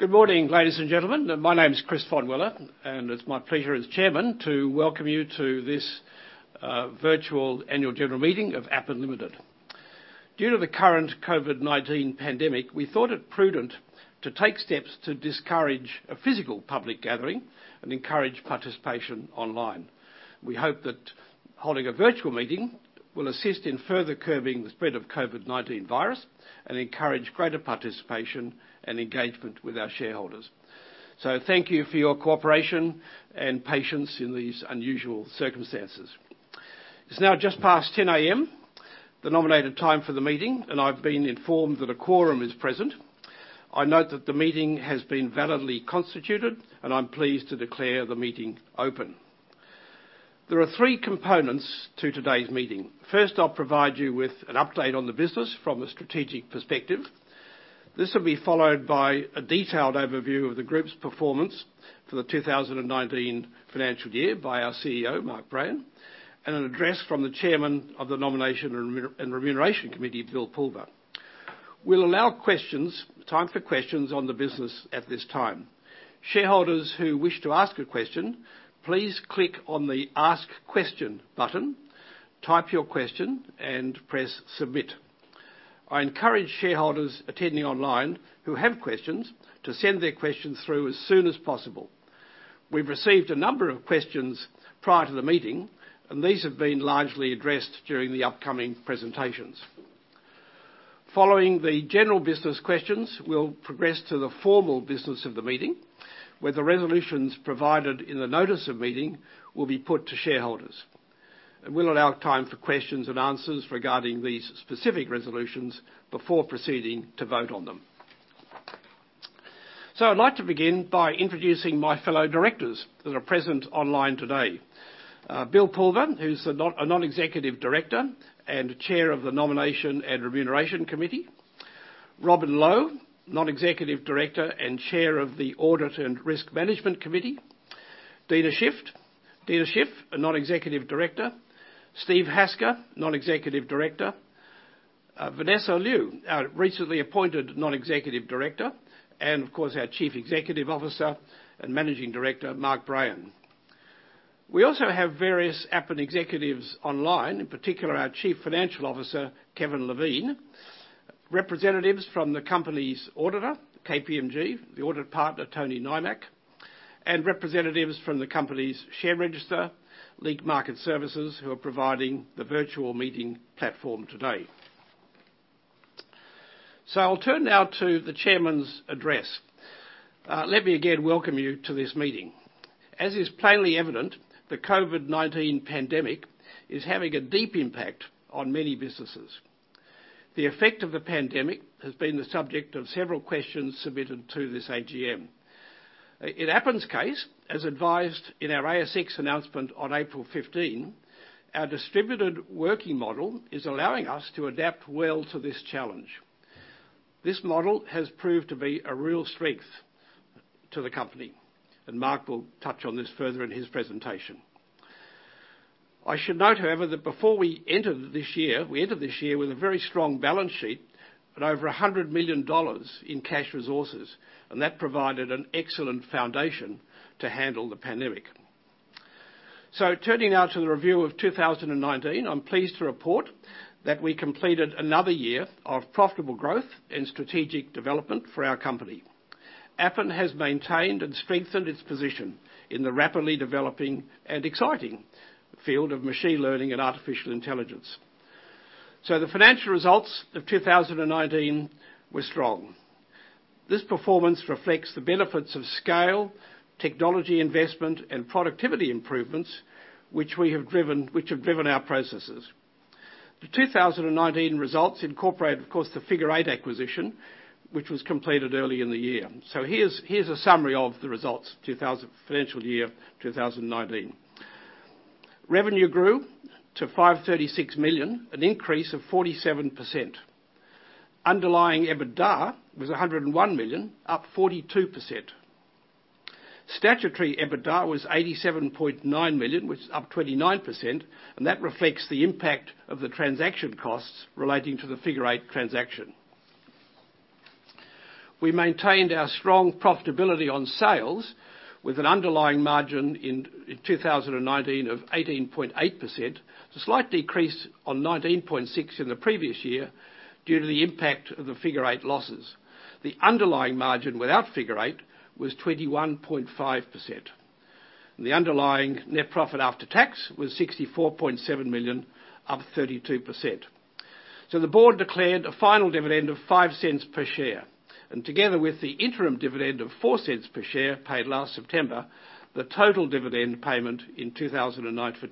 Good morning, ladies and gentlemen. My name is Chris Vonwiller, and it's my pleasure as Chairman to welcome you to this Virtual Annual General Meeting of Appen Limited. Due to the current COVID-19 pandemic, we thought it prudent to take steps to discourage a physical public gathering and encourage participation online. We hope that holding a virtual meeting will assist in further curbing the spread of COVID-19 virus and encourage greater participation and engagement with our shareholders. Thank you for your cooperation and patience in these unusual circumstances. It's now just past 10:00 A.M., the nominated time for the meeting, and I've been informed that a quorum is present. I note that the meeting has been validly constituted, and I'm pleased to declare the meeting open. There are three components to today's meeting. First, I'll provide you with an update on the business from a strategic perspective. This will be followed by a detailed overview of the group's performance for the 2019 financial year by our CEO, Mark Brayan, and an address from the Chairman of the Nomination and Remuneration Committee, Bill Pulver. We'll allow time for questions on the business at this time. Shareholders who wish to ask a question, please click on the Ask Question button, type your question, and press Submit. I encourage shareholders attending online who have questions to send their questions through as soon as possible. We've received a number of questions prior to the meeting. These have been largely addressed during the upcoming presentations. Following the general business questions, we'll progress to the formal business of the meeting, where the resolutions provided in the notice of meeting will be put to shareholders. We'll allow time for questions and answers regarding these specific resolutions before proceeding to vote on them. I'd like to begin by introducing my fellow directors that are present online today. Bill Pulver, who's a Non-Executive Director and Chair of the Nomination and Remuneration Committee. Robin Low, Non-Executive Director and Chair of the Audit and Risk Management Committee. Deena Shiff, a Non-Executive Director. Steve Hasker, Non-Executive Director. Vanessa Liu, recently appointed Non-Executive Director. Of course, our Chief Executive Officer and Managing Director, Mark Brayan. We also have various Appen executives online, in particular, our Chief Financial Officer, Kevin Levine. Representatives from the company's auditor, KPMG, the Audit Partner, Tony Nimac, and representatives from the company's share register, Link Market Services, who are providing the virtual meeting platform today. I'll turn now to the chairman's address. Let me again welcome you to this meeting. As is plainly evident, the COVID-19 pandemic is having a deep impact on many businesses. The effect of the pandemic has been the subject of several questions submitted to this AGM. In Appen's case, as advised in our ASX announcement on April 15, our distributed working model is allowing us to adapt well to this challenge. This model has proved to be a real strength to the company. Mark will touch on this further in his presentation. I should note, however, that before we entered this year with a very strong balance sheet and over 100 million dollars in cash resources, and that provided an excellent foundation to handle the pandemic. Turning now to the review of 2019, I am pleased to report that we completed another year of profitable growth and strategic development for our company. Appen has maintained and strengthened its position in the rapidly developing and exciting field of machine learning and artificial intelligence. The financial results of 2019 were strong. This performance reflects the benefits of scale, technology investment, and productivity improvements, which have driven our processes. The 2019 results incorporate, of course, the Figure Eight acquisition, which was completed early in the year. Here's a summary of the results financial year 2019. Revenue grew to 536 million, an increase of 47%. Underlying EBITDA was 101 million, up 42%. Statutory EBITDA was 87.9 million, which is up 29%, and that reflects the impact of the transaction costs relating to the Figure Eight transaction. We maintained our strong profitability on sales with an underlying margin in 2019 of 18.8%, a slight decrease on AUD 19.6% in the previous year due to the impact of the Figure Eight losses. The underlying margin without Figure Eight was 21.5%. The underlying net profit after tax was 64.7 million, up 32%. The board declared a final dividend of 0.05 per share. Together with the interim dividend of 0.04 per share paid last September, the total dividend payment for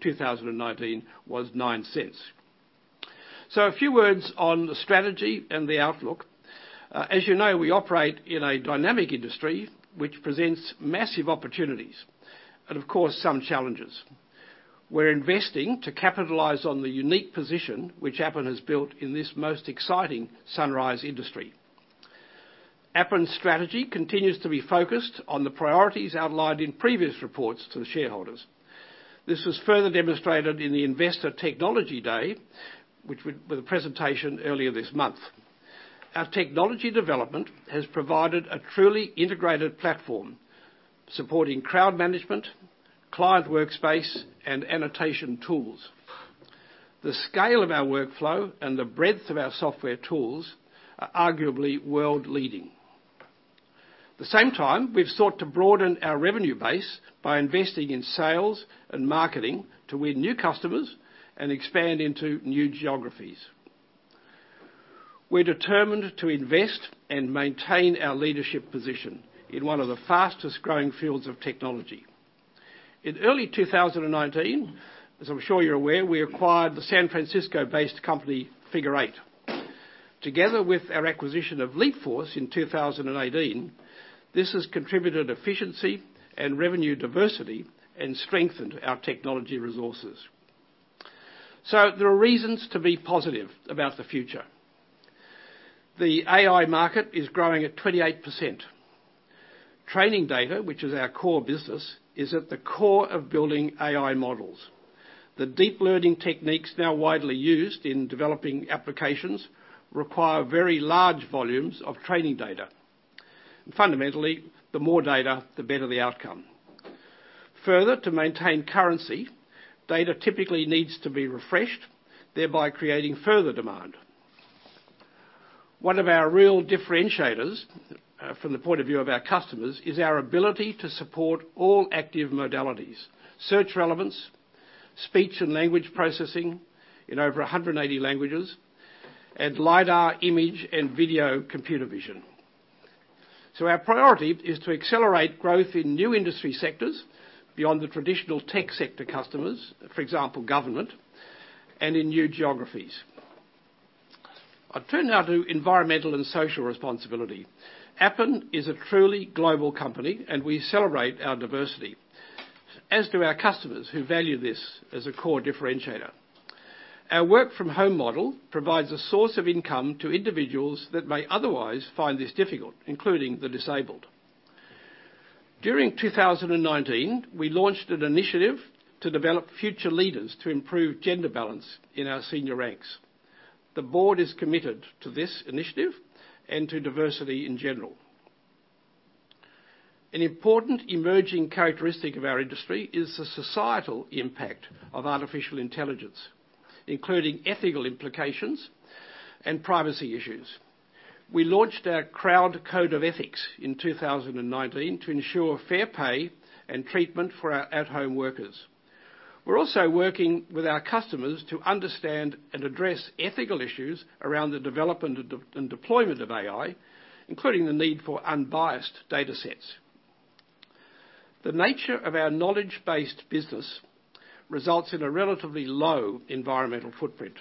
2019 was 0.09. A few words on the strategy and the outlook. As you know, we operate in a dynamic industry which presents massive opportunities, and of course, some challenges. We're investing to capitalize on the unique position which Appen has built in this most exciting sunrise industry. Appen's strategy continues to be focused on the priorities outlined in previous reports to the shareholders. This was further demonstrated in the Investor Technology Day, with a presentation earlier this month. Our technology development has provided a truly integrated platform supporting crowd management, client workspace, and annotation tools. The scale of our workflow and the breadth of our software tools are arguably world leading. At the same time, we've sought to broaden our revenue base by investing in sales and marketing to win new customers and expand into new geographies. We're determined to invest and maintain our leadership position in one of the fastest-growing fields of technology. In early 2019, as I'm sure you're aware, we acquired the San Francisco-based company Figure Eight. Together with our acquisition of Leapforce in 2018, this has contributed efficiency and revenue diversity and strengthened our technology resources. There are reasons to be positive about the future. The AI market is growing at 28%. Training data, which is our core business, is at the core of building AI models. The deep learning techniques now widely used in developing applications require very large volumes of training data. Fundamentally, the more data, the better the outcome. Further, to maintain currency, data typically needs to be refreshed, thereby creating further demand. One of our real differentiators from the point of view of our customers is our ability to support all active modalities, Search Relevance, speech and language processing in over 180 languages, and lidar image and video computer vision. Our priority is to accelerate growth in new industry sectors beyond the traditional tech sector customers, for example, government, and in new geographies. I turn now to environmental and social responsibility. Appen is a truly global company, and we celebrate our diversity, as do our customers, who value this as a core differentiator. Our work from home model provides a source of income to individuals that may otherwise find this difficult, including the disabled. During 2019, we launched an initiative to develop future leaders to improve gender balance in our senior ranks. The board is committed to this initiative and to diversity in general. An important emerging characteristic of our industry is the societal impact of artificial intelligence, including ethical implications and privacy issues. We launched our crowd code of ethics in 2019 to ensure fair pay and treatment for our at-home workers. We're also working with our customers to understand and address ethical issues around the development and deployment of AI, including the need for unbiased datasets. The nature of our knowledge-based business results in a relatively low environmental footprint.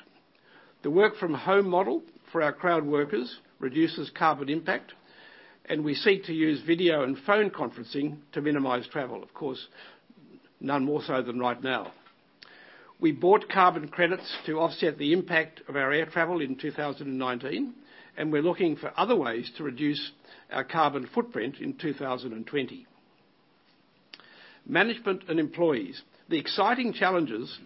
The work from home model for our crowd workers reduces carbon impact. We seek to use video and phone conferencing to minimize travel. Of course, none more so than right now. We bought carbon credits to offset the impact of our air travel in 2019. We're looking for other ways to reduce our carbon footprint in 2020. Management and employees. The exciting challenges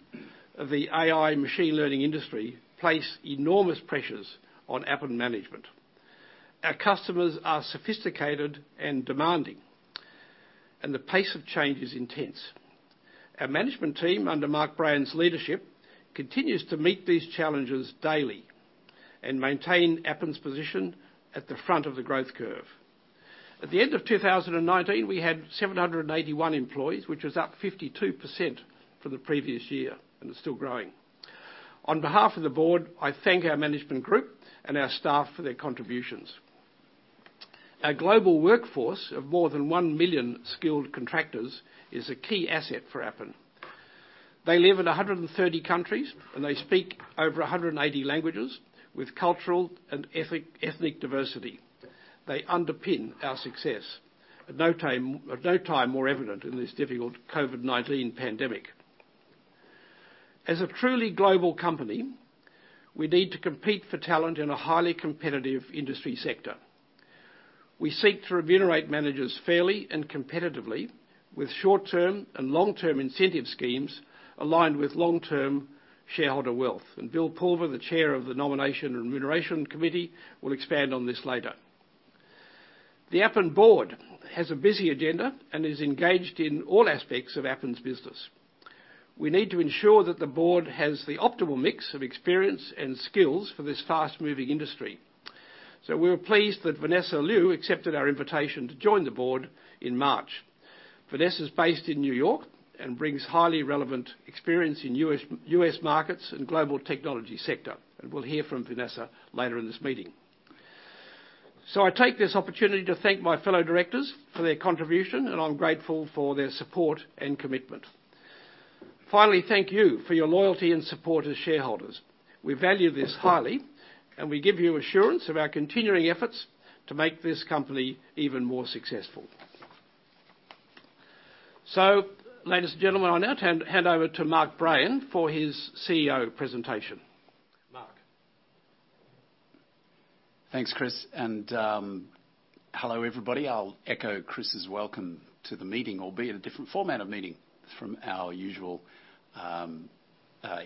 of the AI machine learning industry place enormous pressures on Appen management. Our customers are sophisticated and demanding, and the pace of change is intense. Our management team, under Mark Brayan's leadership, continues to meet these challenges daily and maintain Appen's position at the front of the growth curve. At the end of 2019, we had 781 employees, which was up 52% from the previous year, and it's still growing. On behalf of the board, I thank our management group and our staff for their contributions. Our global workforce of more than one million skilled contractors is a key asset for Appen. They live in 130 countries, and they speak over 180 languages with cultural and ethnic diversity. They underpin our success, at no time more evident in this difficult COVID-19 pandemic. As a truly global company, we need to compete for talent in a highly competitive industry sector. We seek to remunerate managers fairly and competitively with short-term and long-term incentive schemes aligned with long-term shareholder wealth. Bill Pulver, the Chair of the Nomination and Remuneration Committee, will expand on this later. The Appen board has a busy agenda and is engaged in all aspects of Appen's business. We need to ensure that the board has the optimal mix of experience and skills for this fast-moving industry. We were pleased that Vanessa Liu accepted our invitation to join the board in March. Vanessa is based in New York and brings highly relevant experience in U.S. markets and global technology sector. We'll hear from Vanessa later in this meeting. I take this opportunity to thank my fellow directors for their contribution, and I'm grateful for their support and commitment. Finally, thank you for your loyalty and support as shareholders. We value this highly, and we give you assurance of our continuing efforts to make this company even more successful. Ladies and gentlemen, I'll now hand over to Mark Brayan for his CEO presentation. Thanks, Chris. Hello everybody. I'll echo Chris' welcome to the meeting, albeit a different format of meeting from our usual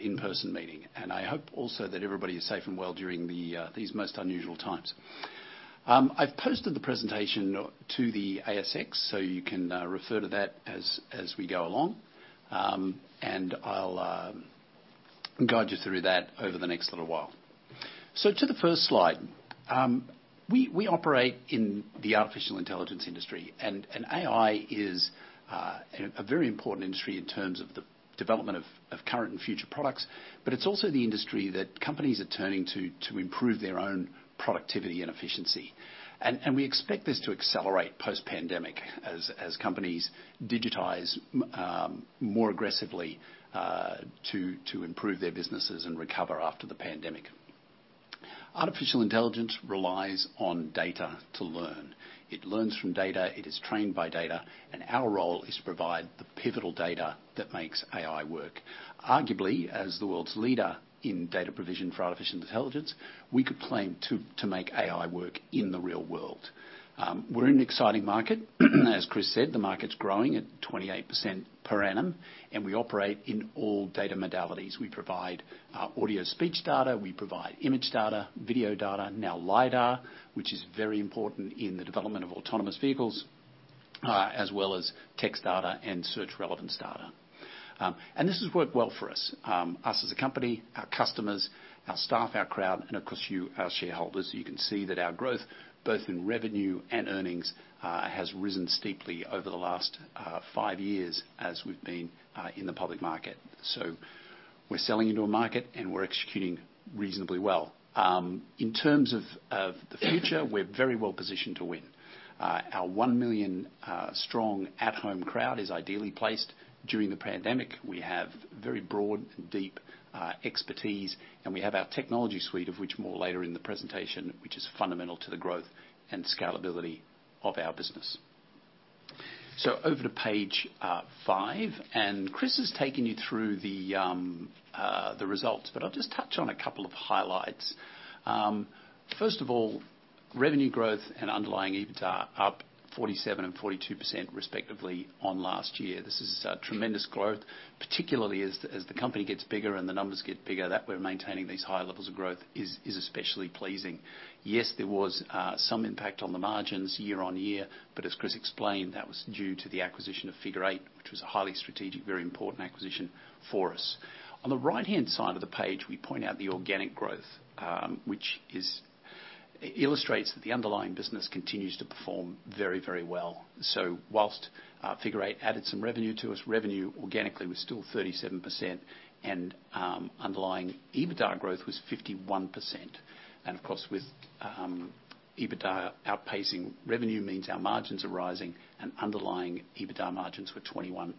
in-person meeting. I hope also that everybody is safe and well during these most unusual times. I've posted the presentation to the ASX. You can refer to that as we go along. I'll guide you through that over the next little while. To the first slide. We operate in the artificial intelligence industry. AI is a very important industry in terms of the development of current and future products. It's also the industry that companies are turning to to improve their own productivity and efficiency. We expect this to accelerate post-pandemic as companies digitize more aggressively to improve their businesses and recover after the pandemic. Artificial intelligence relies on data to learn. It learns from data, it is trained by data, and our role is to provide the pivotal data that makes AI work. Arguably, as the world's leader in data provision for artificial intelligence, we could claim to make AI work in the real world. We're in an exciting market. As Chris said, the market's growing at 28% per annum, and we operate in all data modalities. We provide audio speech data, we provide image data, video data, now lidar, which is very important in the development of autonomous vehicles, as well as text data and Search Relevance data. This has worked well for us as a company, our customers, our staff, our crowd, and of course you, our shareholders. You can see that our growth, both in revenue and earnings, has risen steeply over the last five years as we've been in the public market. We're selling into a market and we're executing reasonably well. In terms of the future, we're very well positioned to win. Our one million strong at-home crowd is ideally placed during the pandemic. We have very broad and deep expertise, and we have our technology suite of which more later in the presentation, which is fundamental to the growth and scalability of our business. Over to page five. Chris has taken you through the results, but I'll just touch on a couple of highlights. First of all, revenue growth and underlying EBITDA up 47% and 42% respectively on last year. This is tremendous growth, particularly as the company gets bigger and the numbers get bigger, that we're maintaining these high levels of growth is especially pleasing. Yes, there was some impact on the margins year on year. As Chris explained, that was due to the acquisition of Figure Eight, which was a highly strategic, very important acquisition for us. On the right-hand side of the page, we point out the organic growth, which illustrates that the underlying business continues to perform very well. Whilst Figure Eight added some revenue to us, revenue organically was still 37% and underlying EBITDA growth was 51%. Of course, with EBITDA outpacing revenue means our margins are rising, and underlying EBITDA margins were 21.5%.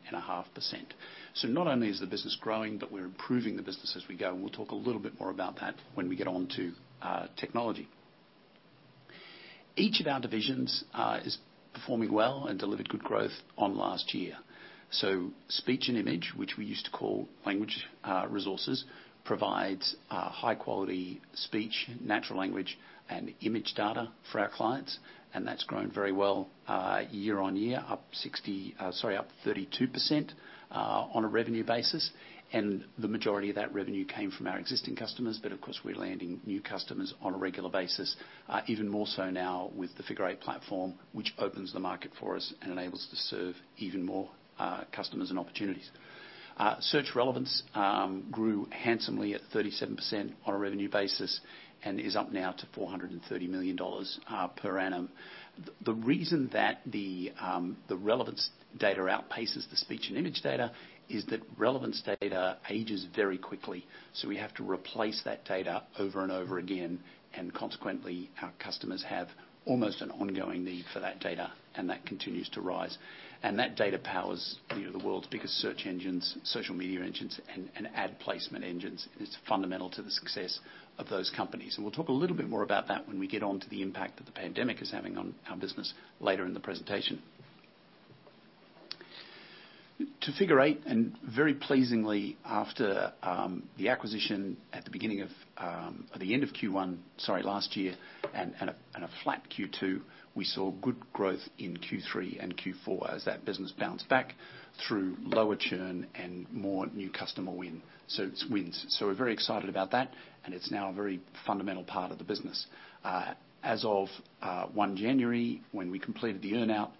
Not only is the business growing, but we're improving the business as we go, and we'll talk a little bit more about that when we get on to technology. Each of our divisions is performing well and delivered good growth on last year. speech and image, which we used to call Language Resources, provides high quality speech, natural language, and image data for our clients, and that's grown very well year-on-year, up 32% on a revenue basis. The majority of that revenue came from our existing customers, but of course, we're landing new customers on a regular basis. Even more so now with the Figure Eight platform, which opens the market for us and enables us to serve even more customers and opportunities. Search Relevance grew handsomely at 37% on a revenue basis and is up now to 430 million dollars per annum. The reason that the relevance data outpaces the speech and image data is that relevance data ages very quickly, so we have to replace that data over and over again, and consequently, our customers have almost an ongoing need for that data, and that continues to rise. That data powers the world's biggest search engines, social media engines, and ad placement engines, and it's fundamental to the success of those companies. We'll talk a little bit more about that when we get on to the impact that the pandemic is having on our business later in the presentation. To Figure Eight. Very pleasingly, after the acquisition at the end of Q1 last year and a flat Q2, we saw good growth in Q3 and Q4 as that business bounced back through lower churn and more new customer wins. We're very excited about that, and it's now a very fundamental part of the business. As of 1 January, when we completed the earn-out,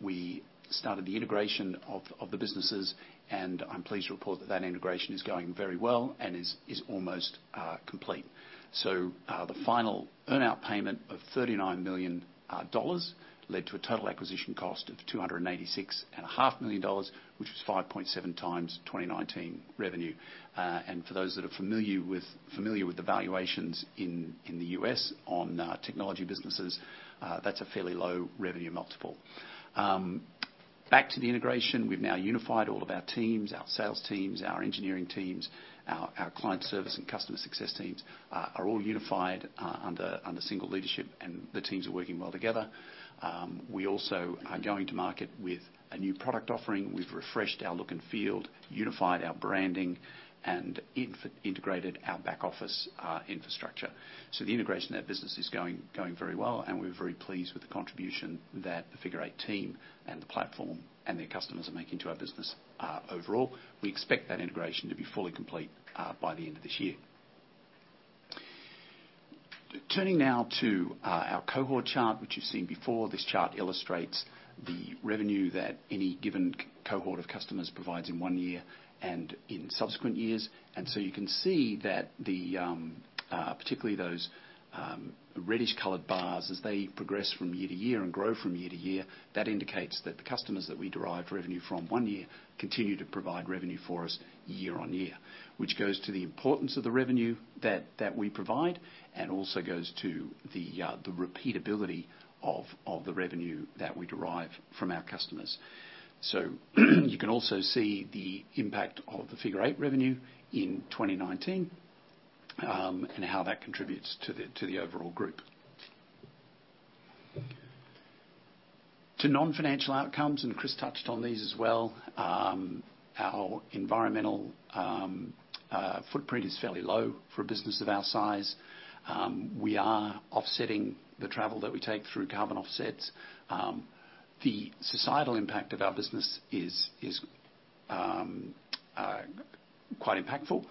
we started the integration of the businesses. I'm pleased to report that that integration is going very well and is almost complete. The final earn-out payment of 39 million dollars led to a total acquisition cost of 286.5 million dollars, which was 5.7x 2019 revenue. For those that are familiar with the valuations in the U.S. on technology businesses, that's a fairly low revenue multiple. Back to the integration. We've now unified all of our teams, our sales teams, our engineering teams, our client service and customer success teams are all unified under single leadership. The teams are working well together. We also are going to market with a new product offering. We've refreshed our look and feel, unified our branding, and integrated our back office infrastructure. The integration of that business is going very well, and we're very pleased with the contribution that the Figure Eight team and the platform and their customers are making to our business overall. We expect that integration to be fully complete by the end of this year. Turning now to our cohort chart, which you've seen before. This chart illustrates the revenue that any given cohort of customers provides in one year and in subsequent years. You can see that particularly those reddish colored bars, as they progress from year to year and grow from year to year, that indicates that the customers that we derived revenue from one year continue to provide revenue for us year-on-year. Which goes to the importance of the revenue that we provide and also goes to the repeatability of the revenue that we derive from our customers. You can also see the impact of the Figure Eight revenue in 2019 and how that contributes to the overall group. To non-financial outcomes, and Chris touched on these as well. Our environmental footprint is fairly low for a business of our size. We are offsetting the travel that we take through carbon offsets. The societal impact of our business is quite impactful,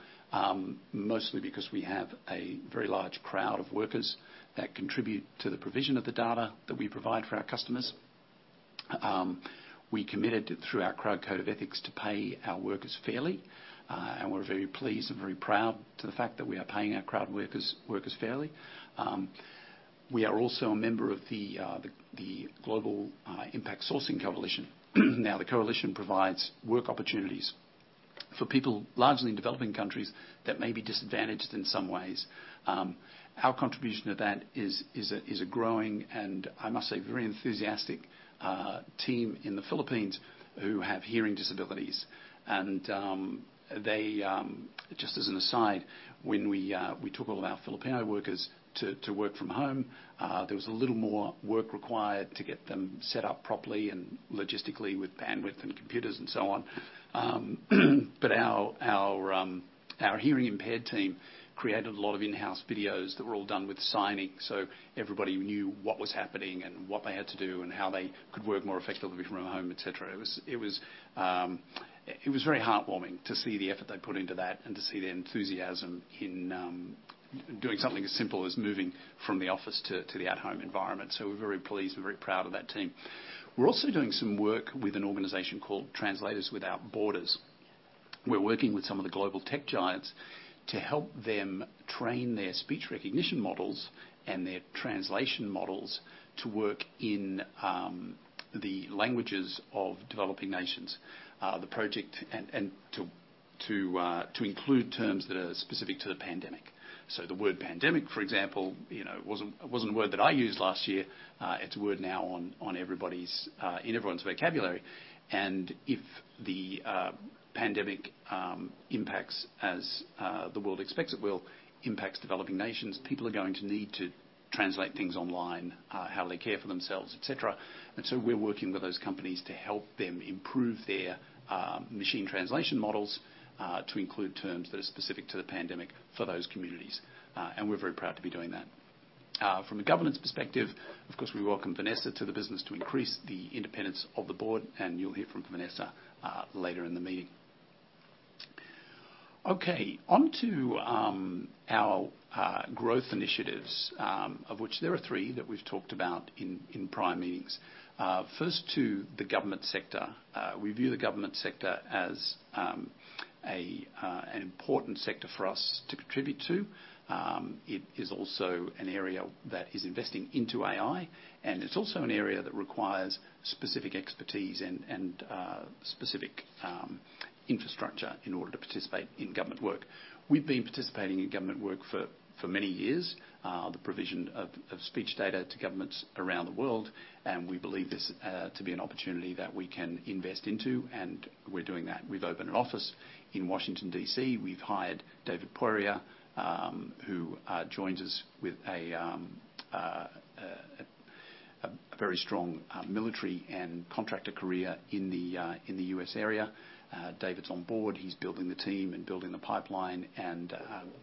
mostly because we have a very large crowd of workers that contribute to the provision of the data that we provide for our customers. We committed through our crowd code of ethics to pay our workers fairly. We're very pleased and very proud to the fact that we are paying our crowd workers fairly. We are also a member of the Global Impact Sourcing Coalition. Now, the coalition provides work opportunities for people largely in developing countries that may be disadvantaged in some ways. Our contribution to that is a growing, and I must say, very enthusiastic team in the Philippines who have hearing disabilities. Just as an aside, when we took all of our Filipino workers to work from home, there was a little more work required to get them set up properly and logistically with bandwidth and computers and so on. Our hearing impaired team created a lot of in-house videos that were all done with signing, so everybody knew what was happening and what they had to do and how they could work more effectively from home, et cetera. It was very heartwarming to see the effort they put into that and to see their enthusiasm in doing something as simple as moving from the office to the at-home environment. We're very pleased and very proud of that team. We're also doing some work with an organization called Translators without Borders. We're working with some of the global tech giants to help them train their speech recognition models and their translation models to work in the languages of developing nations. The project to include terms that are specific to the pandemic. The word pandemic, for example, wasn't a word that I used last year. It's a word now in everyone's vocabulary. If the pandemic impacts as the world expects it will, impacts developing nations, people are going to need to translate things online how they care for themselves, et cetera. We're working with those companies to help them improve their machine translation models to include terms that are specific to the pandemic for those communities. We're very proud to be doing that. From a governance perspective, of course, we welcome Vanessa to the business to increase the independence of the board, and you'll hear from Vanessa later in the meeting. Okay, onto our growth initiatives, of which there are three that we've talked about in prior meetings. First to the government sector. We view the government sector as an important sector for us to contribute to. It is also an area that is investing into AI, and it's also an area that requires specific expertise and specific infrastructure in order to participate in government work. We've been participating in government work for many years. The provision of speech data to governments around the world, and we believe this to be an opportunity that we can invest into, and we're doing that. We've opened an office in Washington, D.C. We've hired David Poirier, who joins us with a very strong military and contractor career in the U.S. area. David's on board. He's building the team and building the pipeline, and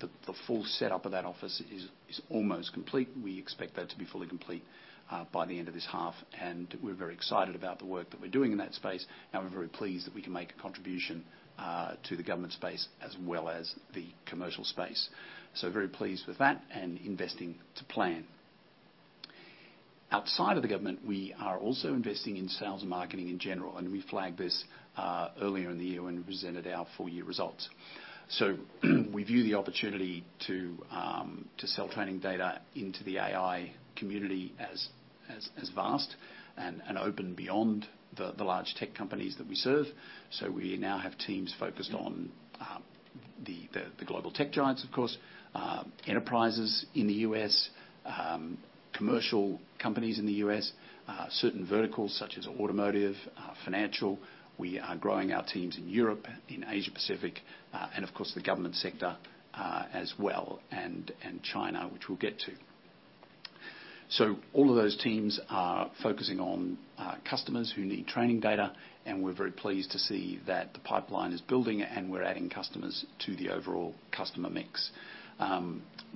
the full setup of that office is almost complete. We expect that to be fully complete by the end of this half. We're very excited about the work that we're doing in that space, and we're very pleased that we can make a contribution to the government space as well as the commercial space. Very pleased with that and investing to plan. Outside of the government, we are also investing in sales and marketing in general, and we flagged this earlier in the year when we presented our full year results. We view the opportunity to sell training data into the AI community as vast and open beyond the large tech companies that we serve. We now have teams focused on the global tech giants, of course, enterprises in the U.S., commercial companies in the U.S., certain verticals such as automotive, financial. We are growing our teams in Europe, in Asia Pacific, and of course, the government sector as well, and China, which we'll get to. All of those teams are focusing on customers who need training data, and we're very pleased to see that the pipeline is building and we're adding customers to the overall customer mix.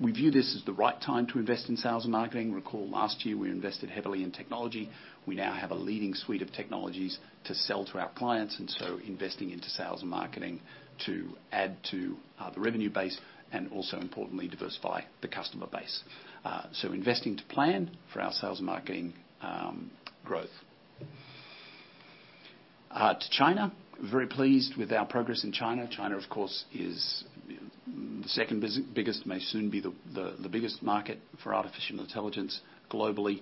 We view this as the right time to invest in sales and marketing. Recall last year, we invested heavily in technology. We now have a leading suite of technologies to sell to our clients, and so investing into sales and marketing to add to the revenue base and also importantly, diversify the customer base. Investing to plan for our sales and marketing growth. To China, very pleased with our progress in China. China, of course, is the second biggest, may soon be the biggest market for artificial intelligence globally.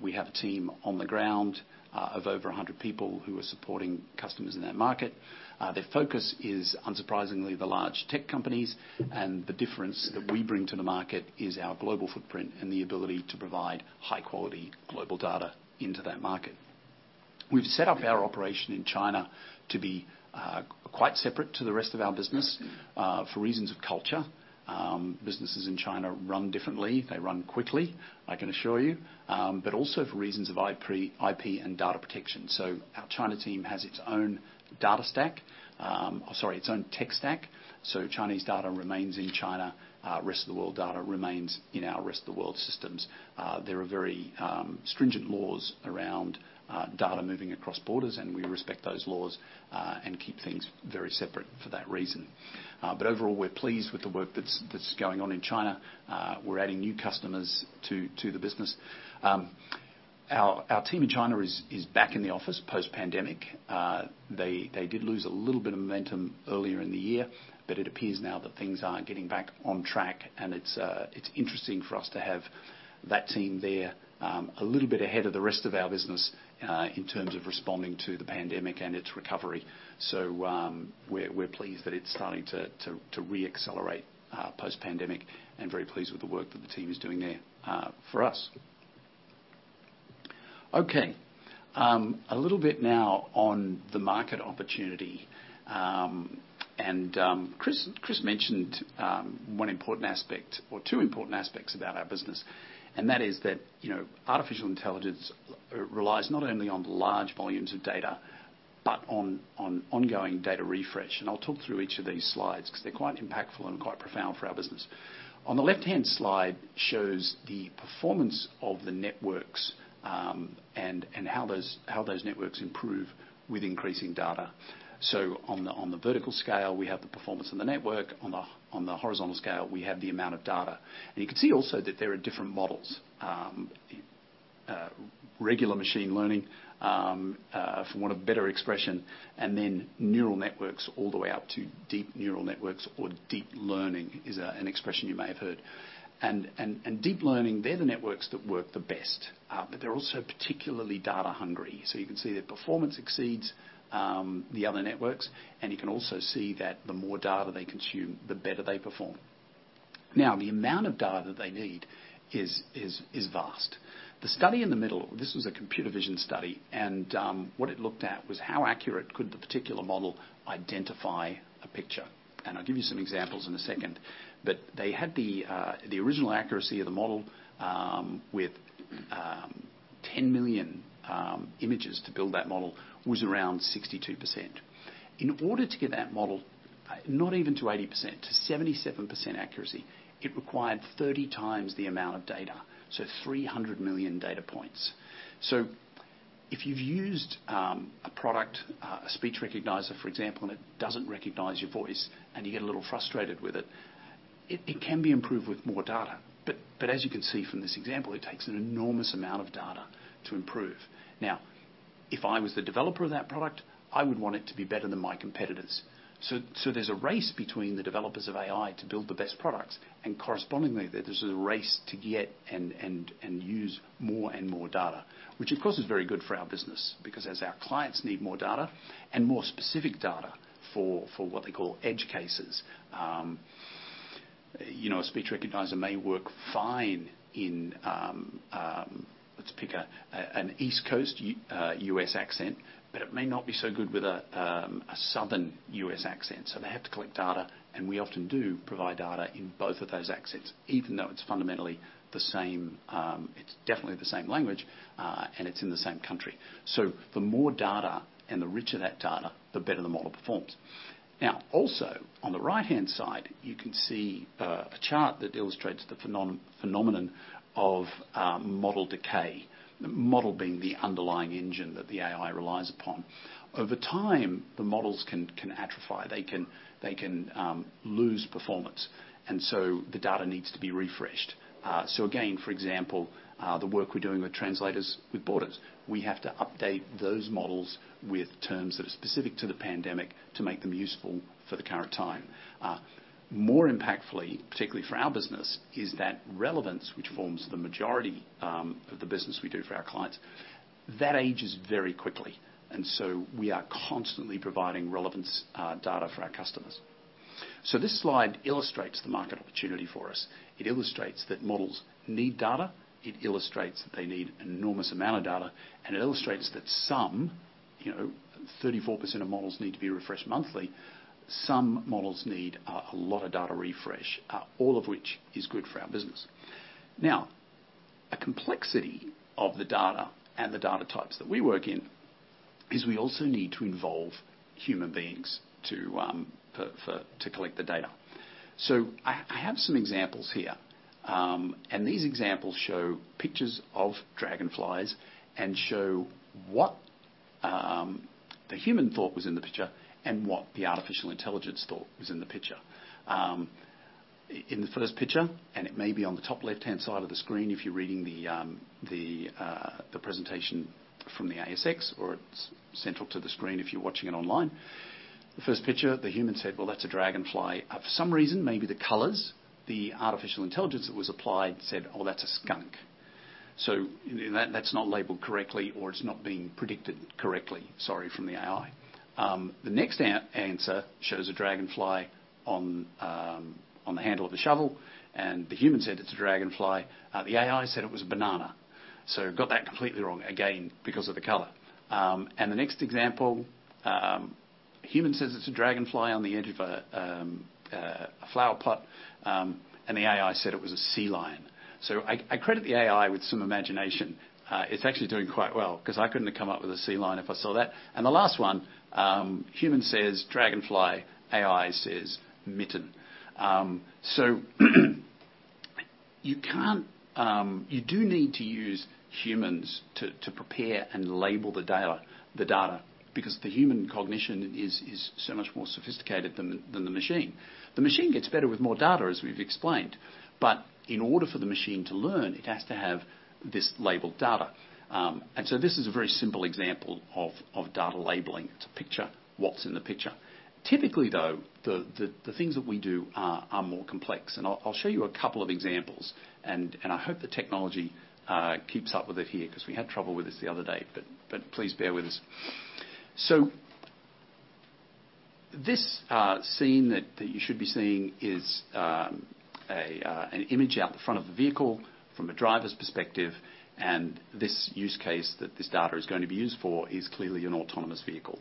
We have a team on the ground of over 100 people who are supporting customers in that market. Their focus is, unsurprisingly, the large tech companies. The difference that we bring to the market is our global footprint and the ability to provide high-quality global data into that market. We've set up our operation in China to be quite separate to the rest of our business for reasons of culture. Businesses in China run differently. They run quickly, I can assure you. Also for reasons of IP and data protection. Our China team has its own data stack. Sorry, its own tech stack. Chinese data remains in China. Rest of the world data remains in our rest of the world systems. There are very stringent laws around data moving across borders, we respect those laws and keep things very separate for that reason. Overall, we're pleased with the work that's going on in China. We're adding new customers to the business. Our team in China is back in the office post-pandemic. They did lose a little bit of momentum earlier in the year, it appears now that things are getting back on track. It's interesting for us to have that team there a little bit ahead of the rest of our business in terms of responding to the pandemic and its recovery. We're pleased that it's starting to re-accelerate post-pandemic and very pleased with the work that the team is doing there for us. Okay. A little bit now on the market opportunity. Chris mentioned one important aspect, or two important aspects about our business, and that is that artificial intelligence relies not only on large volumes of data, but on ongoing data refresh. I'll talk through each of these slides because they're quite impactful and quite profound for our business. On the left-hand slide shows the performance of the networks and how those networks improve with increasing data. On the vertical scale, we have the performance of the network. On the horizontal scale, we have the amount of data. You can see also that there are different models. Regular machine learning, for want of better expression, and then neural networks all the way up to deep neural networks or deep learning is an expression you may have heard. Deep learning, they're the networks that work the best, but they're also particularly data hungry. You can see their performance exceeds the other networks, and you can also see that the more data they consume, the better they perform. Now, the amount of data that they need is vast. The study in the middle, this was a computer vision study, and what it looked at was how accurate could the particular model identify a picture. And I'll give you some examples in a second. But they had the original accuracy of the model with 10 million images to build that model was around 62%. In order to get that model not even to 80%-77% accuracy, it required 30x the amount of data. 300 million data points. If you've used a product, a speech recognizer, for example, and it doesn't recognize your voice and you get a little frustrated with it can be improved with more data. As you can see from this example, it takes an enormous amount of data to improve. If I was the developer of that product, I would want it to be better than my competitors. There's a race between the developers of AI to build the best products. Correspondingly, there's a race to get and use more and more data, which of course is very good for our business because as our clients need more data and more specific data for what they call edge cases. A speech recognizer may work fine in, let's pick an East Coast U.S. accent, but it may not be so good with a Southern U.S. accent. They have to collect data, and we often do provide data in both of those accents, even though it's definitely the same language, and it's in the same country. The more data and the richer that data, the better the model performs. Also on the right-hand side, you can see a chart that illustrates the phenomenon of model decay. Model being the underlying engine that the AI relies upon. Over time, the models can atrophy. They can lose performance, and so the data needs to be refreshed. Again, for example, the work we're doing with Translators without Borders. We have to update those models with terms that are specific to the pandemic to make them useful for the current time. More impactfully, particularly for our business, is that relevance, which forms the majority of the business we do for our clients, that ages very quickly. We are constantly providing relevance data for our customers. This slide illustrates the market opportunity for us. It illustrates that models need data. It illustrates that they need an enormous amount of data. It illustrates that some, 34% of models need to be refreshed monthly. Some models need a lot of data refresh. All of which is good for our business. A complexity of the data and the data types that we work in is we also need to involve human beings to collect the data. I have some examples here. These examples show pictures of dragonflies and show what the human thought was in the picture and what the artificial intelligence thought was in the picture. In the first picture, and it may be on the top left-hand side of the screen if you're reading the presentation from the ASX, or it's central to the screen if you're watching it online. The first picture, the human said, "Well, that's a dragonfly." For some reason, maybe the colors, the artificial intelligence that was applied said, "Oh, that's a skunk." That's not labeled correctly or it's not being predicted correctly, sorry, from the AI. The next answer shows a dragonfly on the handle of the shovel, and the human said it's a dragonfly. The AI said it was a banana. It got that completely wrong, again, because of the color. The next example, human says it's a dragonfly on the edge of a flower pot, and the AI said it was a sea lion. I credit the AI with some imagination. It's actually doing quite well because I couldn't have come up with a sea lion if I saw that. The last one, human says dragonfly, AI says mitten. You do need to use humans to prepare and label the data because the human cognition is so much more sophisticated than the machine. The machine gets better with more data, as we've explained. In order for the machine to learn, it has to have this labeled data. This is a very simple example of data labeling. It's a picture. What's in the picture? Typically, though, the things that we do are more complex. I'll show you a couple of examples, and I hope the technology keeps up with it here because we had trouble with this the other day. Please bear with us. This scene that you should be seeing is an image out the front of the vehicle from a driver's perspective, and this use case that this data is going to be used for is clearly an autonomous vehicle.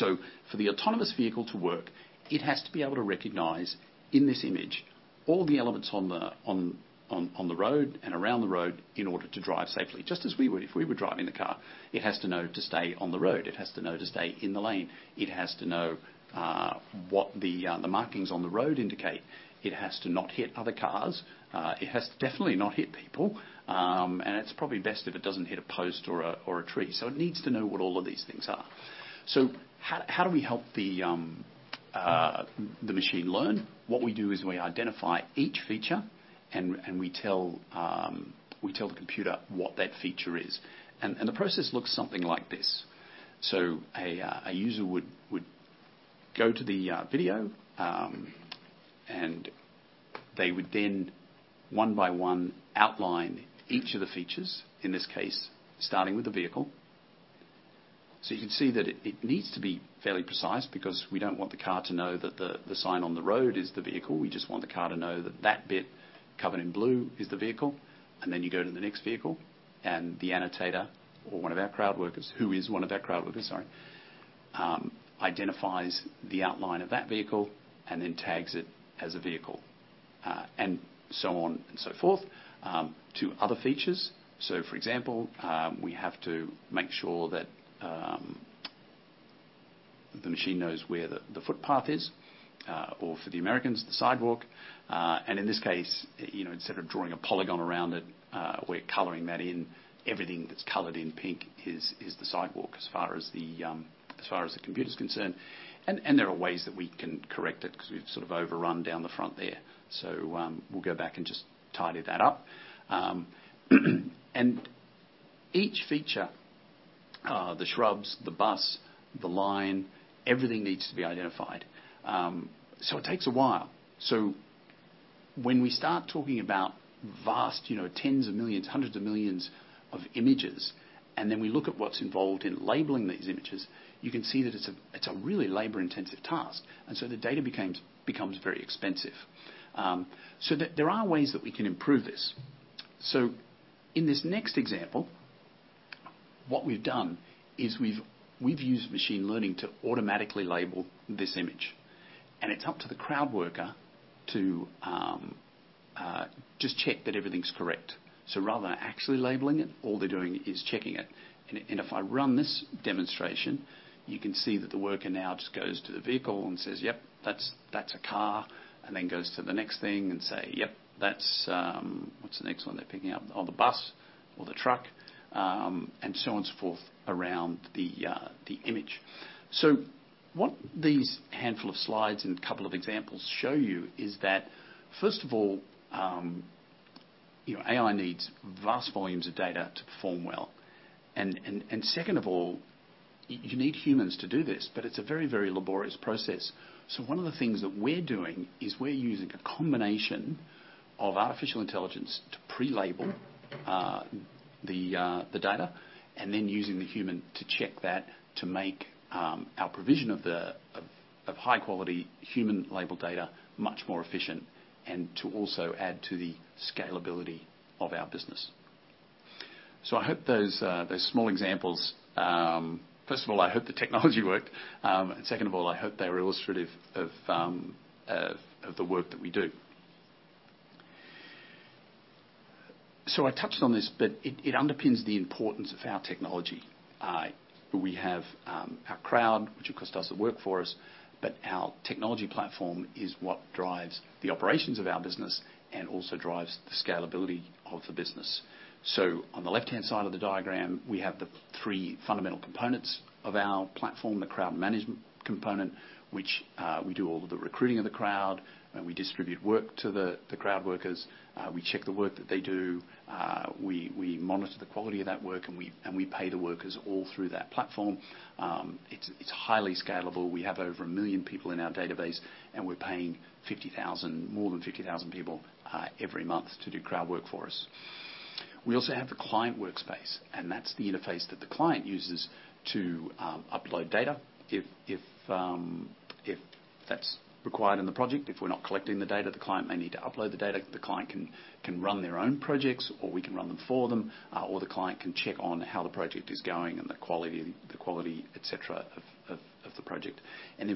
For the autonomous vehicle to work, it has to be able to recognize in this image all the elements on the road and around the road in order to drive safely. Just as we would if we were driving the car. It has to know to stay on the road. It has to know to stay in the lane. It has to know what the markings on the road indicate. It has to not hit other cars. It has to definitely not hit people. It's probably best if it doesn't hit a post or a tree. It needs to know what all of these things are. How do we help the machine learn? What we do is we identify each feature, and we tell the computer what that feature is. The process looks something like this. A user would go to the video, and they would then one by one outline each of the features, in this case, starting with the vehicle. You can see that it needs to be fairly precise because we don't want the car to know that the sign on the road is the vehicle. We just want the car to know that that bit covered in blue is the vehicle. Then you go to the next vehicle, and the annotator, or one of our crowd workers, sorry, identifies the outline of that vehicle and then tags it as a vehicle. On and so forth to other features. For example, we have to make sure that the machine knows where the footpath is or, for the Americans, the sidewalk. In this case, instead of drawing a polygon around it, we're coloring that in. Everything that's colored in pink is the sidewalk as far as the computer's concerned. There are ways that we can correct it because we've sort of overrun down the front there. We'll go back and just tidy that up. Each feature, the shrubs, the bus, the line, everything needs to be identified. It takes a while. When we start talking about vast tens of millions, hundreds of millions of images, then we look at what's involved in labeling these images, you can see that it's a really labor-intensive task. The data becomes very expensive. There are ways that we can improve this. In this next example, what we've done is we've used machine learning to automatically label this image. It's up to the crowd worker to just check that everything's correct. Rather than actually labeling it, all they're doing is checking it. If I run this demonstration, you can see that the worker now just goes to the vehicle and says, "Yep, that's a car," and then goes to the next thing and say, "Yep, that's" What's the next one they're picking up? Oh, the bus or the truck, and so on and so forth around the image. What these handful of slides and couple of examples show you is that, first of all, AI needs vast volumes of data to perform well. Second of all, you need humans to do this, but it's a very, very laborious process. One of the things that we're doing is we're using a combination of artificial intelligence to pre-label the data, and then using the human to check that, to make our provision of high-quality human label data much more efficient, and to also add to the scalability of our business. First of all, I hope the technology worked. Second of all, I hope they were illustrative of the work that we do. I touched on this. It underpins the importance of our technology. We have our crowd, which of course does the work for us. Our technology platform is what drives the operations of our business and also drives the scalability of the business. On the left-hand side of the diagram, we have the three fundamental components of our platform, the crowd management component, which we do all of the recruiting of the crowd, and we distribute work to the crowd workers. We check the work that they do. We monitor the quality of that work, and we pay the workers all through that platform. It's highly scalable. We have over over million people in our database, and we're paying more than 50,000 people every month to do crowd work for us. We also have the client workspace, and that's the interface that the client uses to upload data. If that's required in the project, if we're not collecting the data, the client may need to upload the data. The client can run their own projects, or we can run them for them. The client can check on how the project is going and the quality, et cetera, of the project.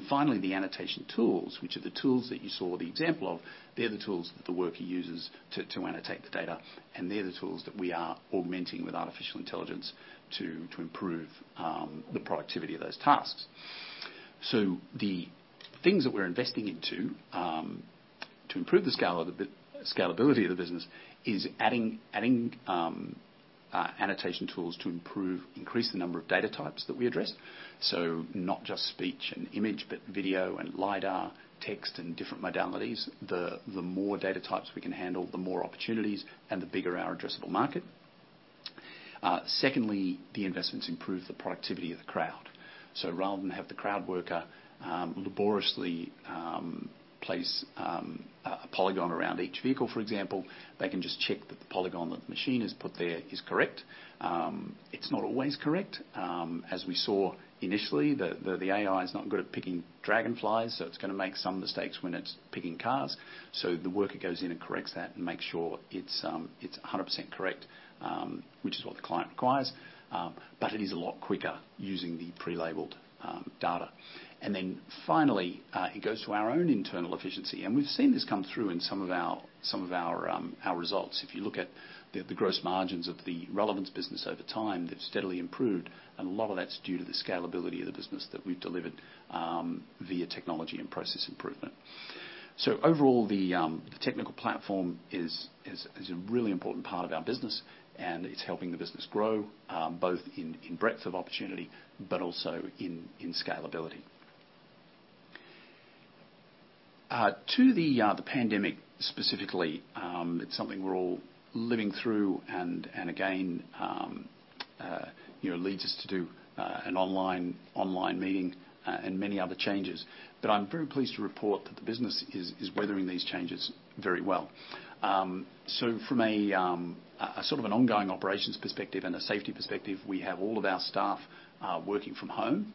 Finally, the annotation tools, which are the tools that you saw the example of. They're the tools that the worker uses to annotate the data, and they're the tools that we are augmenting with artificial intelligence to improve the productivity of those tasks. The things that we're investing into to improve the scalability of the business is adding annotation tools to increase the number of data types that we address. Not just speech and image, but video and lidar, text, and different modalities. The more data types we can handle, the more opportunities and the bigger our addressable market. Secondly, the investments improve the productivity of the crowd. Rather than have the crowd worker laboriously place a polygon around each vehicle, for example, they can just check that the polygon that the machine has put there is correct. It's not always correct. As we saw initially, the AI is not good at picking dragonflies, so it's going to make some mistakes when it's picking cars. The worker goes in and corrects that and makes sure it's 100% correct, which is what the client requires. It is a lot quicker using the pre-labeled data. Finally, it goes to our own internal efficiency. We've seen this come through in some of our results. If you look at the gross margins of the Search Relevance business over time, they've steadily improved, and a lot of that's due to the scalability of the business that we've delivered via technology and process improvement. Overall, the technical platform is a really important part of our business, and it's helping the business grow, both in breadth of opportunity, but also in scalability. The pandemic specifically, it's something we're all living through, and again, leads us to do an online meeting and many other changes. I'm very pleased to report that the business is weathering these changes very well. From an ongoing operations perspective and a safety perspective, we have all of our staff working from home.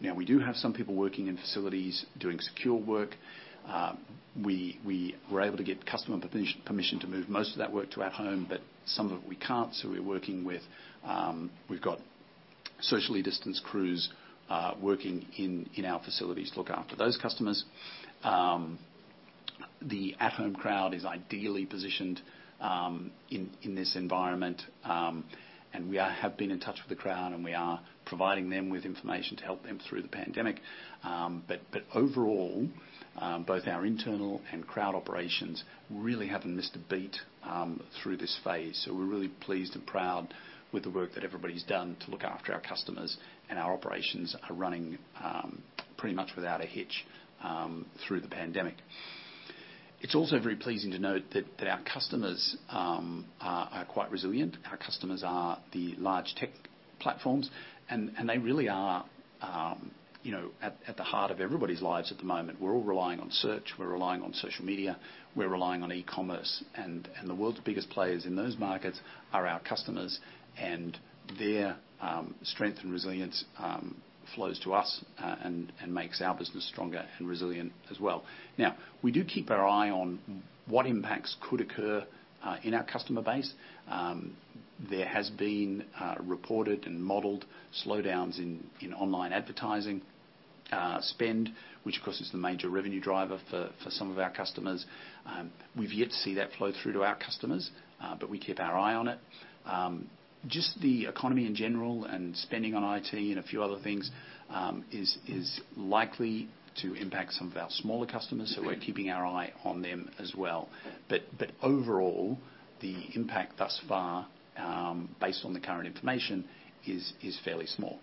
Now we do have some people working in facilities doing secure work. We were able to get customer permission to move most of that work to at home, but some of it we can't, so we've got socially distanced crews working in our facilities to look after those customers. The at-home crowd is ideally positioned in this environment, and we have been in touch with the crowd and we are providing them with information to help them through the pandemic. Overall, both our internal and crowd operations really haven't missed a beat through this phase. We're really pleased and proud with the work that everybody's done to look after our customers, and our operations are running pretty much without a hitch through the pandemic. It's also very pleasing to note that our customers are quite resilient. Our customers are the large tech platforms, and they really are at the heart of everybody's lives at the moment. We're all relying on search, we're relying on social media, we're relying on e-commerce. The world's biggest players in those markets are our customers, and their strength and resilience flows to us and makes our business stronger and resilient as well. We do keep our eye on what impacts could occur in our customer base. There has been reported and modeled slowdowns in online advertising spend, which of course is the major revenue driver for some of our customers. We've yet to see that flow through to our customers, but we keep our eye on it. The economy in general and spending on IT and a few other things is likely to impact some of our smaller customers, so we're keeping our eye on them as well. Overall, the impact thus far, based on the current information, is fairly small.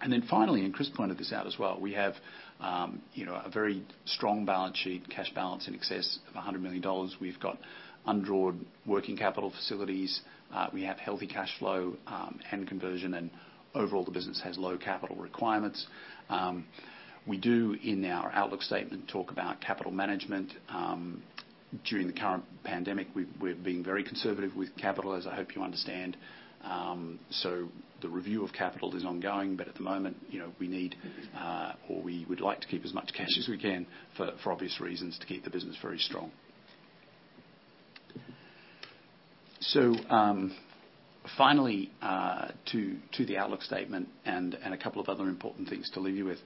And then finally, and Chris pointed this out as well, we have a very strong balance sheet, cash balance in excess of 100 million dollars. We've got undrawn working capital facilities. We have healthy cash flow and conversion, and overall, the business has low capital requirements. We do, in our outlook statement, talk about capital management. During the current pandemic, we've been very conservative with capital, as I hope you understand. The review of capital is ongoing, but at the moment, we would like to keep as much cash as we can for obvious reasons, to keep the business very strong. Finally, to the outlook statement and a couple of other important things to leave you with.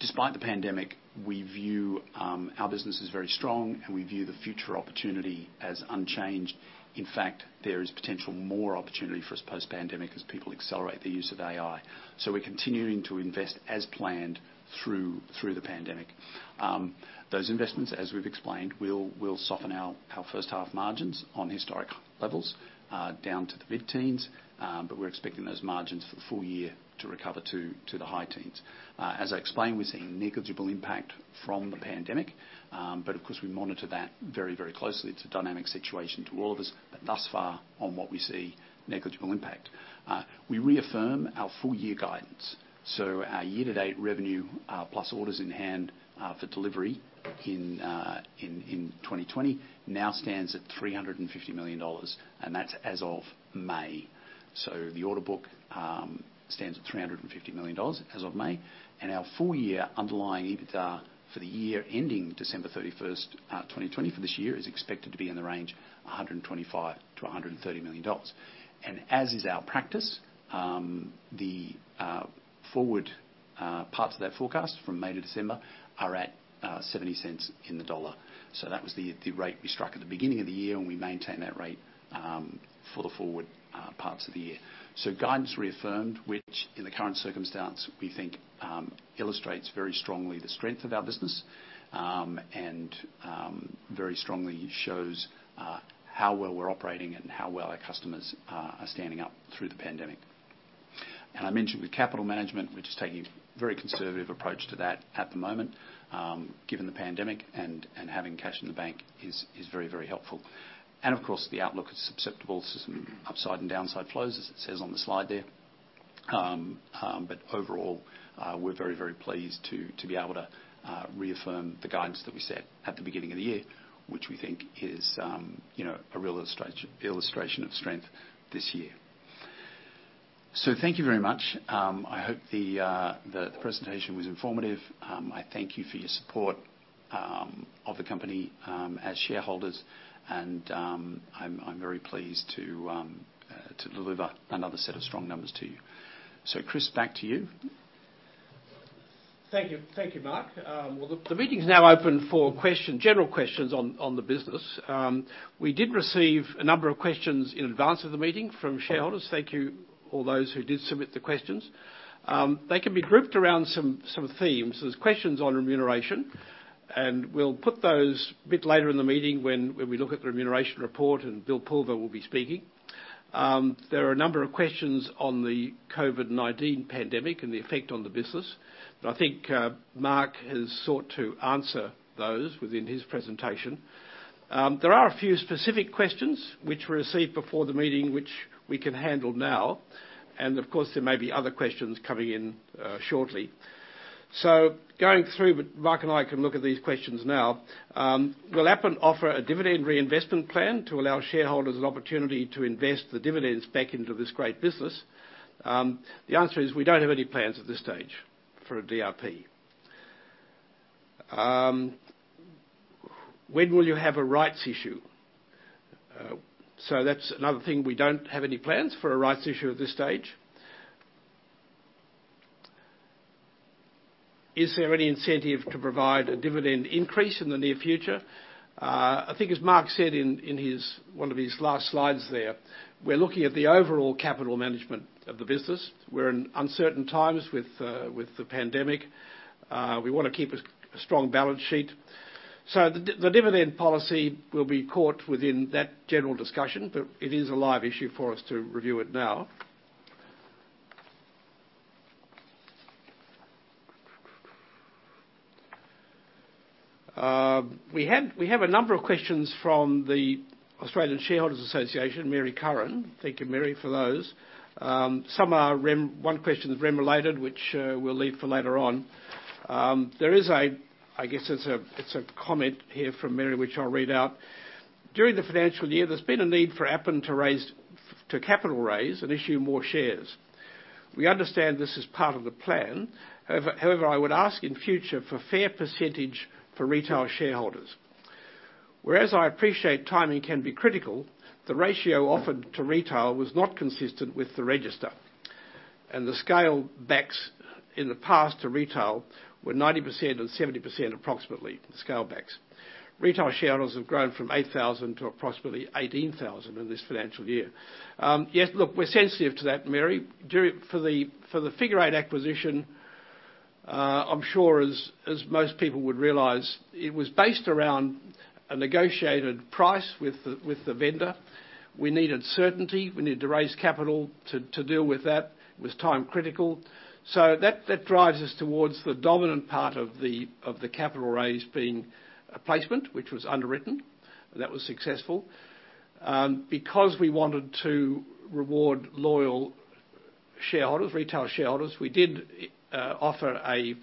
Despite the pandemic, we view our business as very strong, and we view the future opportunity as unchanged. In fact, there is potential more opportunity for us post-pandemic as people accelerate the use of AI. We're continuing to invest as planned through the pandemic. Those investments, as we've explained, will soften our first half margins on historic levels down to the mid-teens, but we're expecting those margins for the full year to recover to the high teens. As I explained, we're seeing negligible impact from the pandemic. Of course, we monitor that very closely. It's a dynamic situation to all of us, but thus far, on what we see, negligible impact. We reaffirm our full-year guidance. Our year-to-date revenue plus orders in hand for delivery in 2020 now stands at AUD 350 million, and that's as of May. The order book stands at 350 million dollars as of May. Our full-year underlying EBITDA for the year ending December 31st, 2020, for this year, is expected to be in the range of 125 million-130 million dollars. As is our practice, the forward parts of that forecast from May to December are at 0.70. That was the rate we struck at the beginning of the year. We maintain that rate for the forward parts of the year. Guidance reaffirmed, which in the current circumstance, we think illustrates very strongly the strength of our business and very strongly shows how well we're operating and how well our customers are standing up through the pandemic. I mentioned with capital management, we're just taking a very conservative approach to that at the moment, given the pandemic, and having cash in the bank is very helpful. Of course, the outlook is susceptible to some upside and downside flows, as it says on the slide there. Overall, we're very pleased to be able to reaffirm the guidance that we set at the beginning of the year, which we think is a real illustration of strength this year. Thank you very much. I hope the presentation was informative. I thank you for your support of the company as shareholders, and I'm very pleased to deliver another set of strong numbers to you. Chris, back to you. Thank you, Mark. Well, look, the meeting's now open for general questions on the business. We did receive a number of questions in advance of the meeting from shareholders. Thank you all those who did submit the questions. They can be grouped around some themes. There's questions on remuneration, and we'll put those a bit later in the meeting when we look at the remuneration report, and Bill Pulver will be speaking. There are a number of questions on the COVID-19 pandemic and the effect on the business, but I think Mark has sought to answer those within his presentation. There are a few specific questions which were received before the meeting, which we can handle now. Of course, there may be other questions coming in shortly. Going through, Mark and I can look at these questions now. Will Appen offer a dividend reinvestment plan to allow shareholders an opportunity to invest the dividends back into this great business? The answer is we don't have any plans at this stage for a DRP. When will you have a rights issue? That's another thing. We don't have any plans for a rights issue at this stage. Is there any incentive to provide a dividend increase in the near future? I think as Mark said in one of his last slides there, we're looking at the overall capital management of the business. We're in uncertain times with the pandemic. We want to keep a strong balance sheet. The dividend policy will be caught within that general discussion, but it is a live issue for us to review it now. We have a number of questions from the Australian Shareholders' Association, Mary Curran. Thank you, Mary, for those. One question's REM-related, which we'll leave for later on. There is a comment here from Mary, which I'll read out. During the financial year, there's been a need for Appen to capital raise and issue more shares. We understand this is part of the plan. I would ask in future for fair percentage for retail shareholders. I appreciate timing can be critical, the ratio offered to retail was not consistent with the register, and the scale backs in the past to retail were 90% and 70%, approximately, scale backs. Retail shareholders have grown from 8,000 to approximately 18,000 in this financial year. Look, we're sensitive to that, Mary. For the Figure Eight acquisition. I'm sure as most people would realize, it was based around a negotiated price with the vendor. We needed certainty, we needed to raise capital to deal with that. It was time critical. That drives us towards the dominant part of the capital raise being a placement, which was underwritten, and that was successful. Because we wanted to reward loyal shareholders, retail shareholders, we did offer a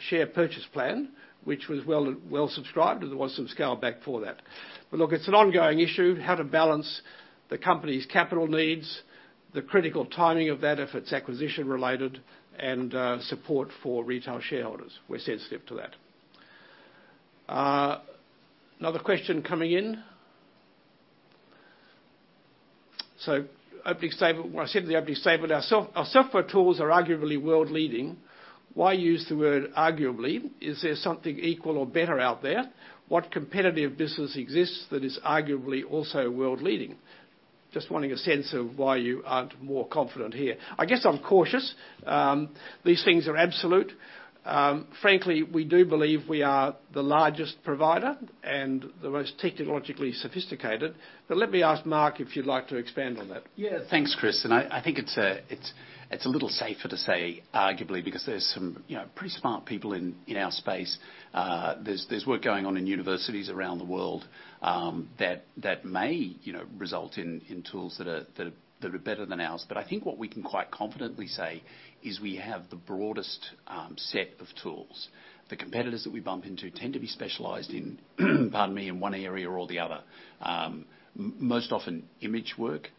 share purchase plan, which was well subscribed, and there was some scale back for that. Look, it's an ongoing issue, how to balance the company's capital needs, the critical timing of that if it's acquisition related, and support for retail shareholders. We're sensitive to that. Another question coming in. Opening statement, well, I said in the opening statement, our software tools are arguably world leading. Why use the word arguably? Is there something equal or better out there? What competitive business exists that is arguably also world leading? Just wanting a sense of why you aren't more confident here. I guess I'm cautious. These things are absolute. Frankly, we do believe we are the largest provider and the most technologically sophisticated. Let me ask Mark if you'd like to expand on that. Thanks, Chris. I think it's a little safer to say arguably because there's some pretty smart people in our space. There's work going on in universities around the world that may result in tools that are better than ours. I think what we can quite confidently say is we have the broadest set of tools. The competitors that we bump into tend to be specialized in, pardon me, in one area or the other. Most often image work,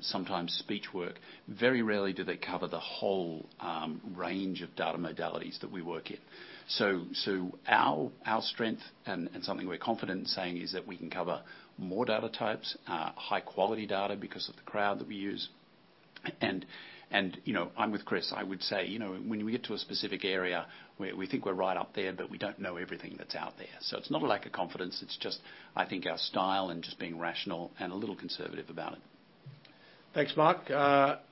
sometimes speech work. Very rarely do they cover the whole range of data modalities that we work in. Our strength, and something we're confident in saying, is that we can cover more data types, high quality data because of the crowd that we use. I'm with Chris. I would say, when we get to a specific area, we think we're right up there, but we don't know everything that's out there. It's not a lack of confidence, it's just, I think our style and just being rational and a little conservative about it. Thanks, Mark.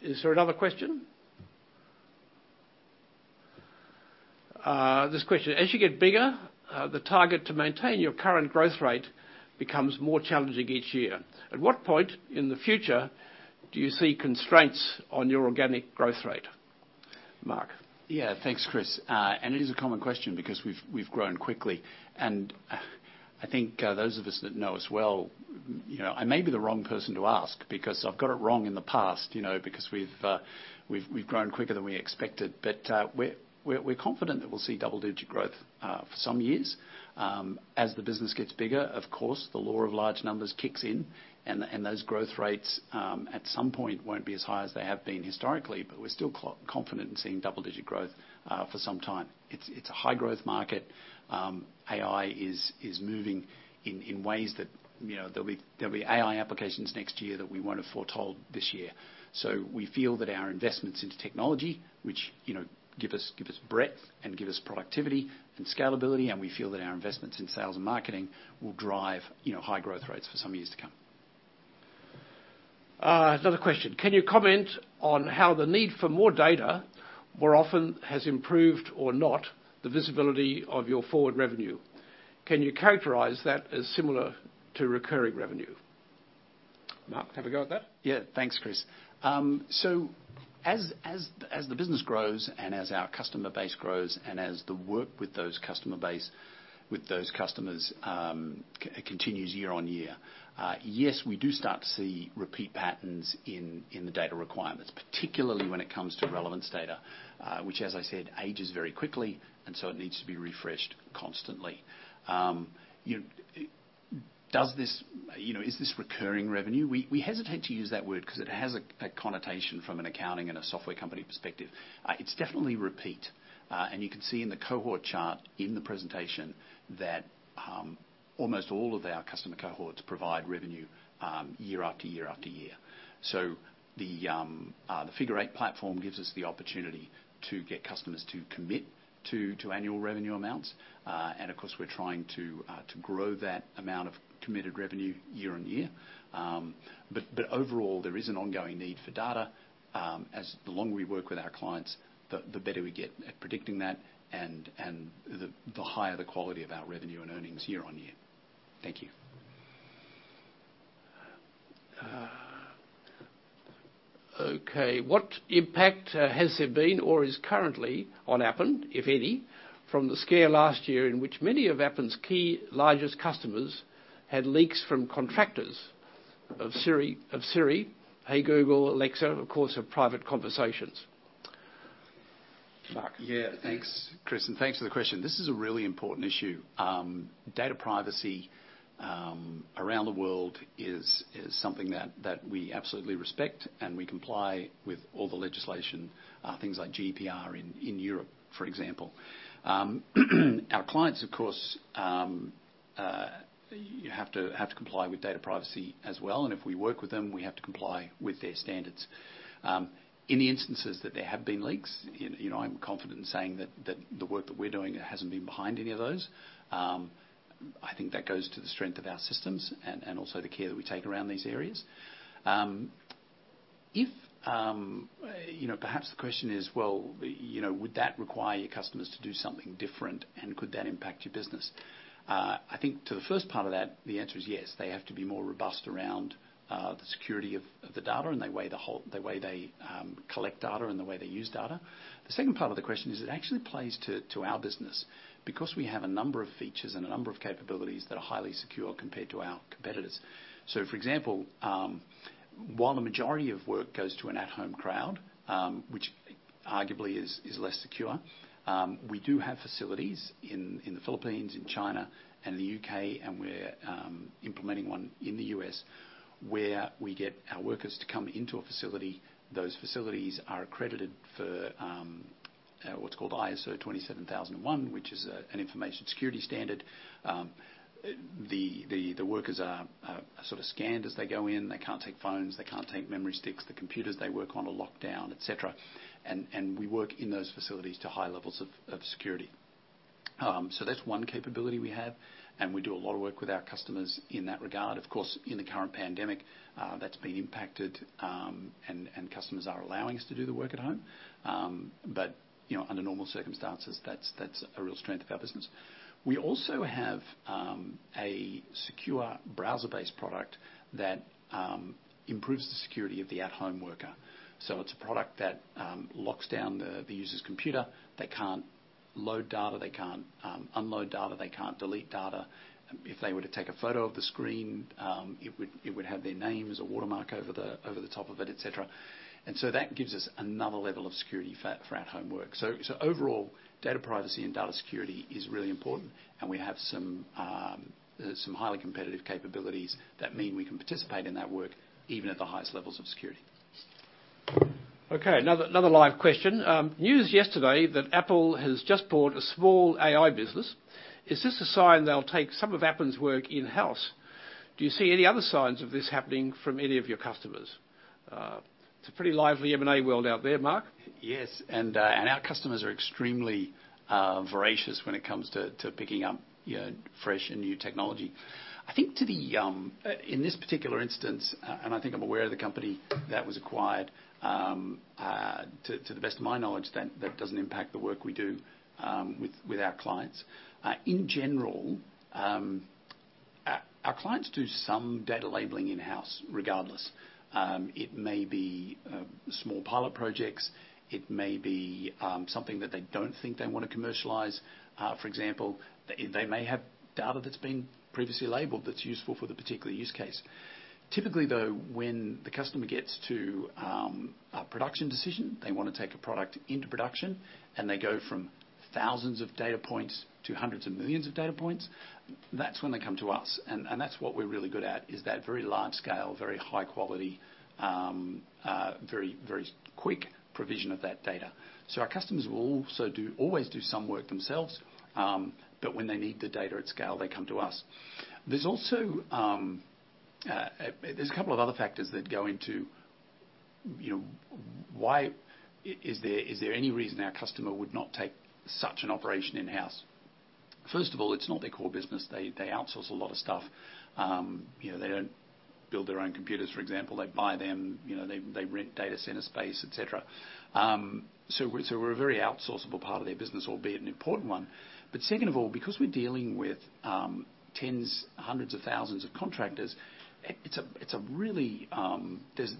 Is there another question? This question, as you get bigger, the target to maintain your current growth rate becomes more challenging each year. At what point in the future do you see constraints on your organic growth rate? Mark? Yeah. Thanks, Chris. It is a common question because we've grown quickly. I think those of us that know us well, I may be the wrong person to ask because I've got it wrong in the past because we've grown quicker than we expected. We're confident that we'll see double-digit growth for some years. As the business gets bigger, of course, the law of large numbers kicks in, and those growth rates, at some point, won't be as high as they have been historically, but we're still confident in seeing double-digit growth for some time. It's a high growth market. AI is moving in ways that there'll be AI applications next year that we won't have foretold this year. We feel that our investments into technology, which give us breadth and give us productivity and scalability, and we feel that our investments in sales and marketing will drive high growth rates for some years to come. Another question. Can you comment on how the need for more data more often has improved or not the visibility of your forward revenue? Can you characterize that as similar to recurring revenue? Mark, have a go at that. Yeah. Thanks, Chris. As the business grows and as our customer base grows and as the work with those customers continues year on year, yes, we do start to see repeat patterns in the data requirements, particularly when it comes to relevance data, which as I said, ages very quickly, and so it needs to be refreshed constantly. Is this recurring revenue? We hesitate to use that word because it has a connotation from an accounting and a software company perspective. It's definitely repeat. You can see in the cohort chart in the presentation that almost all of our customer cohorts provide revenue year after year after year. The Figure Eight platform gives us the opportunity to get customers to commit to annual revenue amounts. Of course, we're trying to grow that amount of committed revenue year on year. Overall, there is an ongoing need for data. The longer we work with our clients, the better we get at predicting that and the higher the quality of our revenue and earnings year-on-year. Thank you. Okay. What impact has there been or is currently on Appen, if any, from the scare last year in which many of Appen's key largest customers had leaks from contractors of Siri, Google Assistant, Alexa, of course, of private conversations? Mark. Yeah. Thanks, Chris, and thanks for the question. This is a really important issue. Data privacy around the world is something that we absolutely respect, and we comply with all the legislation, things like GDPR in Europe, for example. Our clients, of course, have to comply with data privacy as well, and if we work with them, we have to comply with their standards. In the instances that there have been leaks, I'm confident in saying that the work that we're doing hasn't been behind any of those. I think that goes to the strength of our systems and also the care that we take around these areas. If perhaps the question is, well, would that require your customers to do something different, and could that impact your business? I think to the first part of that, the answer is yes. They have to be more robust around the security of the data and the way they collect data and the way they use data. The second part of the question is it actually plays to our business because we have a number of features and a number of capabilities that are highly secure compared to our competitors. For example, while the majority of work goes to an at-home crowd, which arguably is less secure, we do have facilities in the Philippines, in China and the U.K., and we're implementing one in the U.S. where we get our workers to come into a facility. Those facilities are accredited for what's called ISO 27001, which is an information security standard. The workers are sort of scanned as they go in. They can't take phones. They can't take memory sticks. The computers they work on are locked down, et cetera. We work in those facilities to high levels of security. That's one capability we have, and we do a lot of work with our customers in that regard. Of course, in the current pandemic, that's been impacted, and customers are allowing us to do the work at home. Under normal circumstances, that's a real strength of our business. We also have a secure browser-based product that improves the security of the at-home worker. It's a product that locks down the user's computer. They can't load data. They can't unload data. They can't delete data. If they were to take a photo of the screen, it would have their names or watermark over the top of it, et cetera. That gives us another level of security for at-home work. Overall, data privacy and data security is really important, and we have some highly competitive capabilities that mean we can participate in that work even at the highest levels of security. Okay, another live question. News yesterday that Apple has just bought a small AI business. Is this a sign they'll take some of Appen's work in-house? Do you see any other signs of this happening from any of your customers? It's a pretty lively M&A world out there, Mark? Yes. Our customers are extremely voracious when it comes to picking up fresh and new technology. I think in this particular instance, and I think I'm aware of the company that was acquired, to the best of my knowledge, that doesn't impact the work we do with our clients. In general, our clients do some data labeling in-house regardless. It may be small pilot projects. It may be something that they don't think they want to commercialize. For example, they may have data that's been previously labeled that's useful for the particular use case. Typically, though, when the customer gets to a production decision, they want to take a product into production, and they go from thousands of data points to hundreds of millions of data points. That's when they come to us, and that's what we're really good at, is that very large scale, very high quality, very quick provision of that data. Our customers will also always do some work themselves. When they need the data at scale, they come to us. There's a couple of other factors that go into why is there any reason our customer would not take such an operation in-house. First of all, it's not their core business. They outsource a lot of stuff. They don't build their own computers, for example. They buy them. They rent data center space, et cetera. We're a very outsourceable part of their business, albeit an important one. Second of all, because we're dealing with tens, hundreds of thousands of contractors,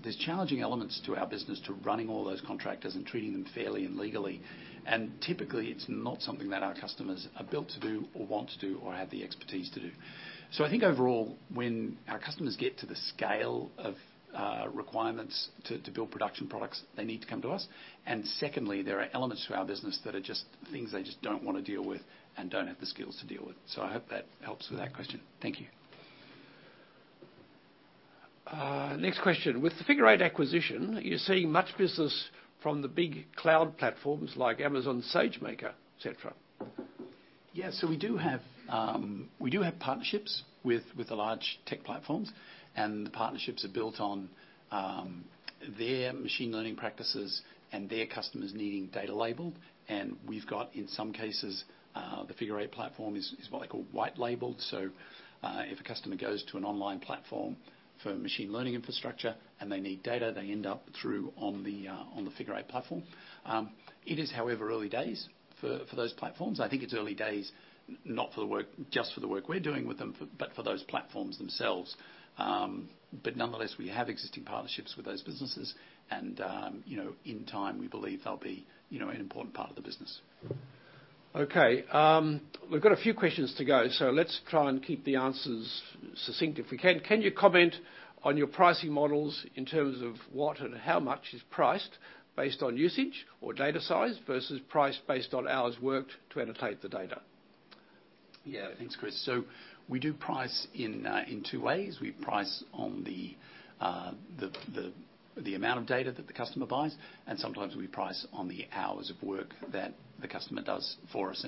there's challenging elements to our business to running all those contractors and treating them fairly and legally. Typically, it's not something that our customers are built to do or want to do or have the expertise to do. I think overall, when our customers get to the scale of requirements to build production products, they need to come to us. Secondly, there are elements to our business that are just things they just don't want to deal with and don't have the skills to deal with. I hope that helps with that question. Thank you. Next question. With the Figure Eight acquisition, you're seeing much business from the big cloud platforms like Amazon SageMaker, et cetera. Yeah. We do have partnerships with the large tech platforms, and the partnerships are built on their machine learning practices and their customers needing data labeled. We've got, in some cases, the Figure Eight platform is what they call white labeled. If a customer goes to an online platform for machine learning infrastructure and they need data, they end up through on the Figure Eight platform. It is, however, early days for those platforms. I think it's early days not just for the work we're doing with them but for those platforms themselves. Nonetheless, we have existing partnerships with those businesses, and in time, we believe they'll be an important part of the business. We've got a few questions to go, so let's try and keep the answers succinct if we can. Can you comment on your pricing models in terms of what and how much is priced based on usage or data size versus price based on hours worked to annotate the data? Thanks, Chris. We do price in two ways. We price on the amount of data that the customer buys, and sometimes we price on the hours of work that the customer does for us.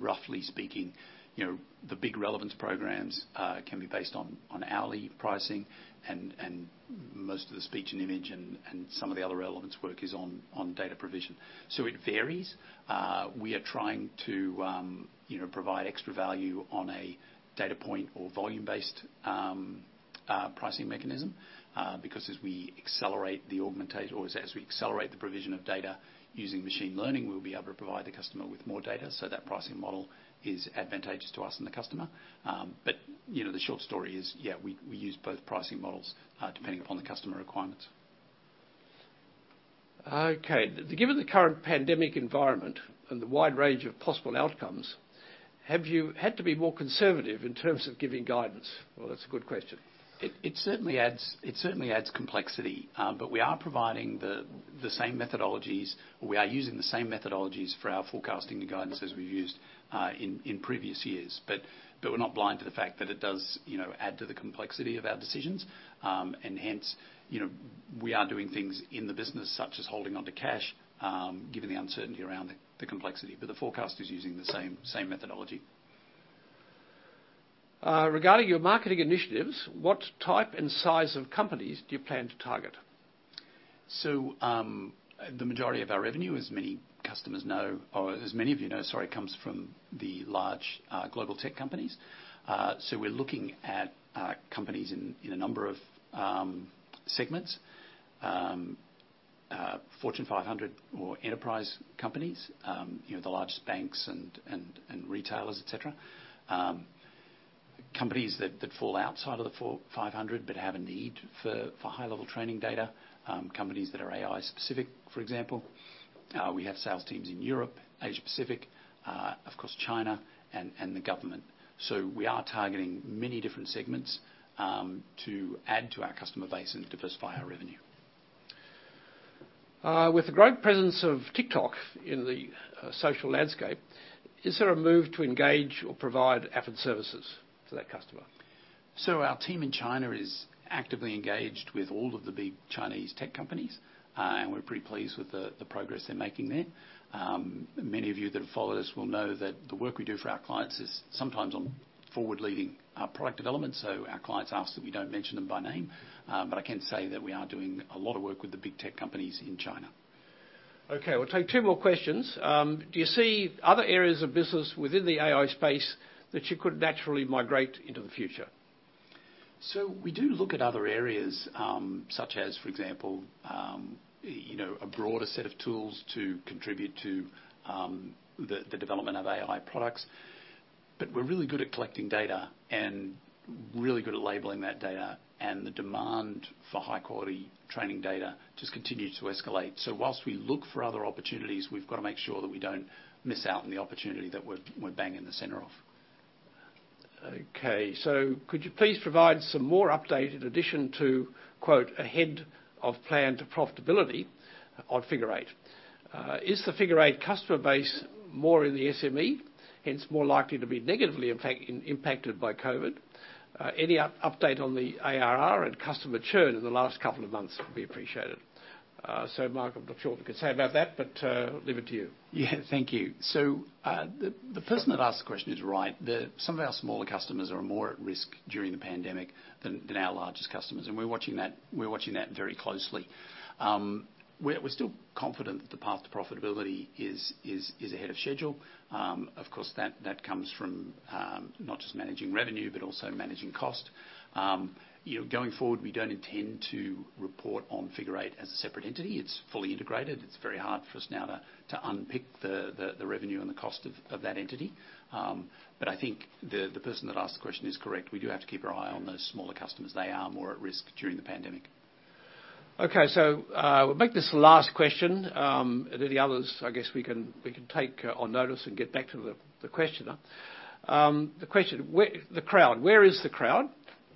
Roughly speaking, the big relevance programs can be based on hourly pricing and most of the speech and image and some of the other relevance work is on data provision. It varies. We are trying to provide extra value on a data point or volume-based pricing mechanism, because as we accelerate the provision of data using machine learning, we'll be able to provide the customer with more data, so that pricing model is advantageous to us and the customer. The short story is, yeah, we use both pricing models depending upon the customer requirements. Okay. Given the current pandemic environment and the wide range of possible outcomes, have you had to be more conservative in terms of giving guidance? That's a good question. It certainly adds complexity, but we are providing the same methodologies. We are using the same methodologies for our forecasting and guidance as we've used in previous years. We're not blind to the fact that it does add to the complexity of our decisions. Hence, we are doing things in the business, such as holding onto cash, given the uncertainty around the complexity. The forecast is using the same methodology. Regarding your marketing initiatives, what type and size of companies do you plan to target? The majority of our revenue, as many of you know, comes from the large global tech companies. We're looking at companies in a number of segments. Fortune 500 or enterprise companies, the largest banks and retailers, et cetera. Companies that fall outside of the 500 but have a need for high-level training data. Companies that are AI-specific, for example. We have sales teams in Europe, Asia Pacific, of course, China, and the government. We are targeting many different segments to add to our customer base and diversify our revenue. With the growing presence of TikTok in the social landscape, is there a move to engage or provide Appen services to that customer? Our team in China is actively engaged with all of the big Chinese tech companies, and we're pretty pleased with the progress they're making there. Many of you that have followed us will know that the work we do for our clients is sometimes on forward-leading product development. Our clients ask that we don't mention them by name. I can say that we are doing a lot of work with the big tech companies in China. Okay, we'll take two more questions. Do you see other areas of business within the AI space that you could naturally migrate into the future? We do look at other areas, such as, for example, a broader set of tools to contribute to the development of AI products. We're really good at collecting data and really good at labeling that data, and the demand for high-quality training data just continues to escalate. Whilst we look for other opportunities, we've got to make sure that we don't miss out on the opportunity that we're bang in the center of. Okay. Could you please provide some more update in addition to, quote, "ahead of plan to profitability" on Figure Eight? Is the Figure Eight customer base more in the SME, hence more likely to be negatively impacted by COVID? Any update on the ARR and customer churn in the last couple of months would be appreciated. Mark, I'm not sure what you can say about that, but leave it to you. Thank you. The person that asked the question is right. Some of our smaller customers are more at risk during the pandemic than our largest customers. We're watching that very closely. We're still confident that the path to profitability is ahead of schedule. Of course, that comes from not just managing revenue, but also managing cost. Going forward, we don't intend to report on Figure Eight as a separate entity. It's fully integrated. It's very hard for us now to unpick the revenue and the cost of that entity. I think the person that asked the question is correct. We do have to keep our eye on those smaller customers. They are more at risk during the pandemic. Okay. We'll make this the last question. Any others, I guess we can take on notice and get back to the questioner. The question. The crowd. Where is the crowd?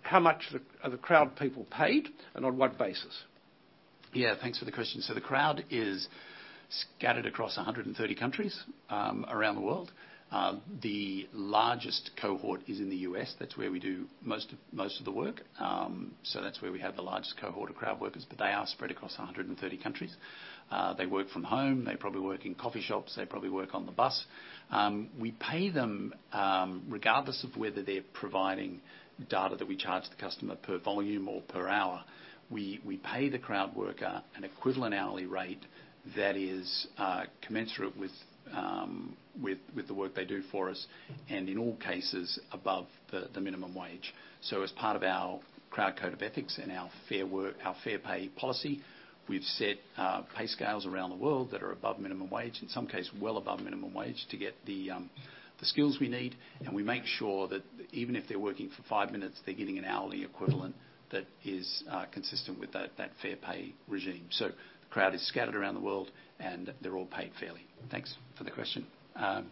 How much are the crowd people paid, and on what basis? Yeah, thanks for the question. The crowd is scattered across 130 countries around the world. The largest cohort is in the U.S. That's where we do most of the work. That's where we have the largest cohort of crowd workers, but they are spread across 130 countries. They work from home. They probably work in coffee shops. They probably work on the bus. We pay them regardless of whether they're providing data that we charge the customer per volume or per hour. We pay the crowd worker an equivalent hourly rate that is commensurate with the work they do for us, and in all cases above the minimum wage. As part of our crowd code of ethics and our fair pay policy, we've set pay scales around the world that are above minimum wage, in some case, well above minimum wage to get the skills we need. We make sure that even if they're working for five minutes, they're getting an hourly equivalent that is consistent with that fair pay regime. The crowd is scattered around the world, and they're all paid fairly. Thanks for the question.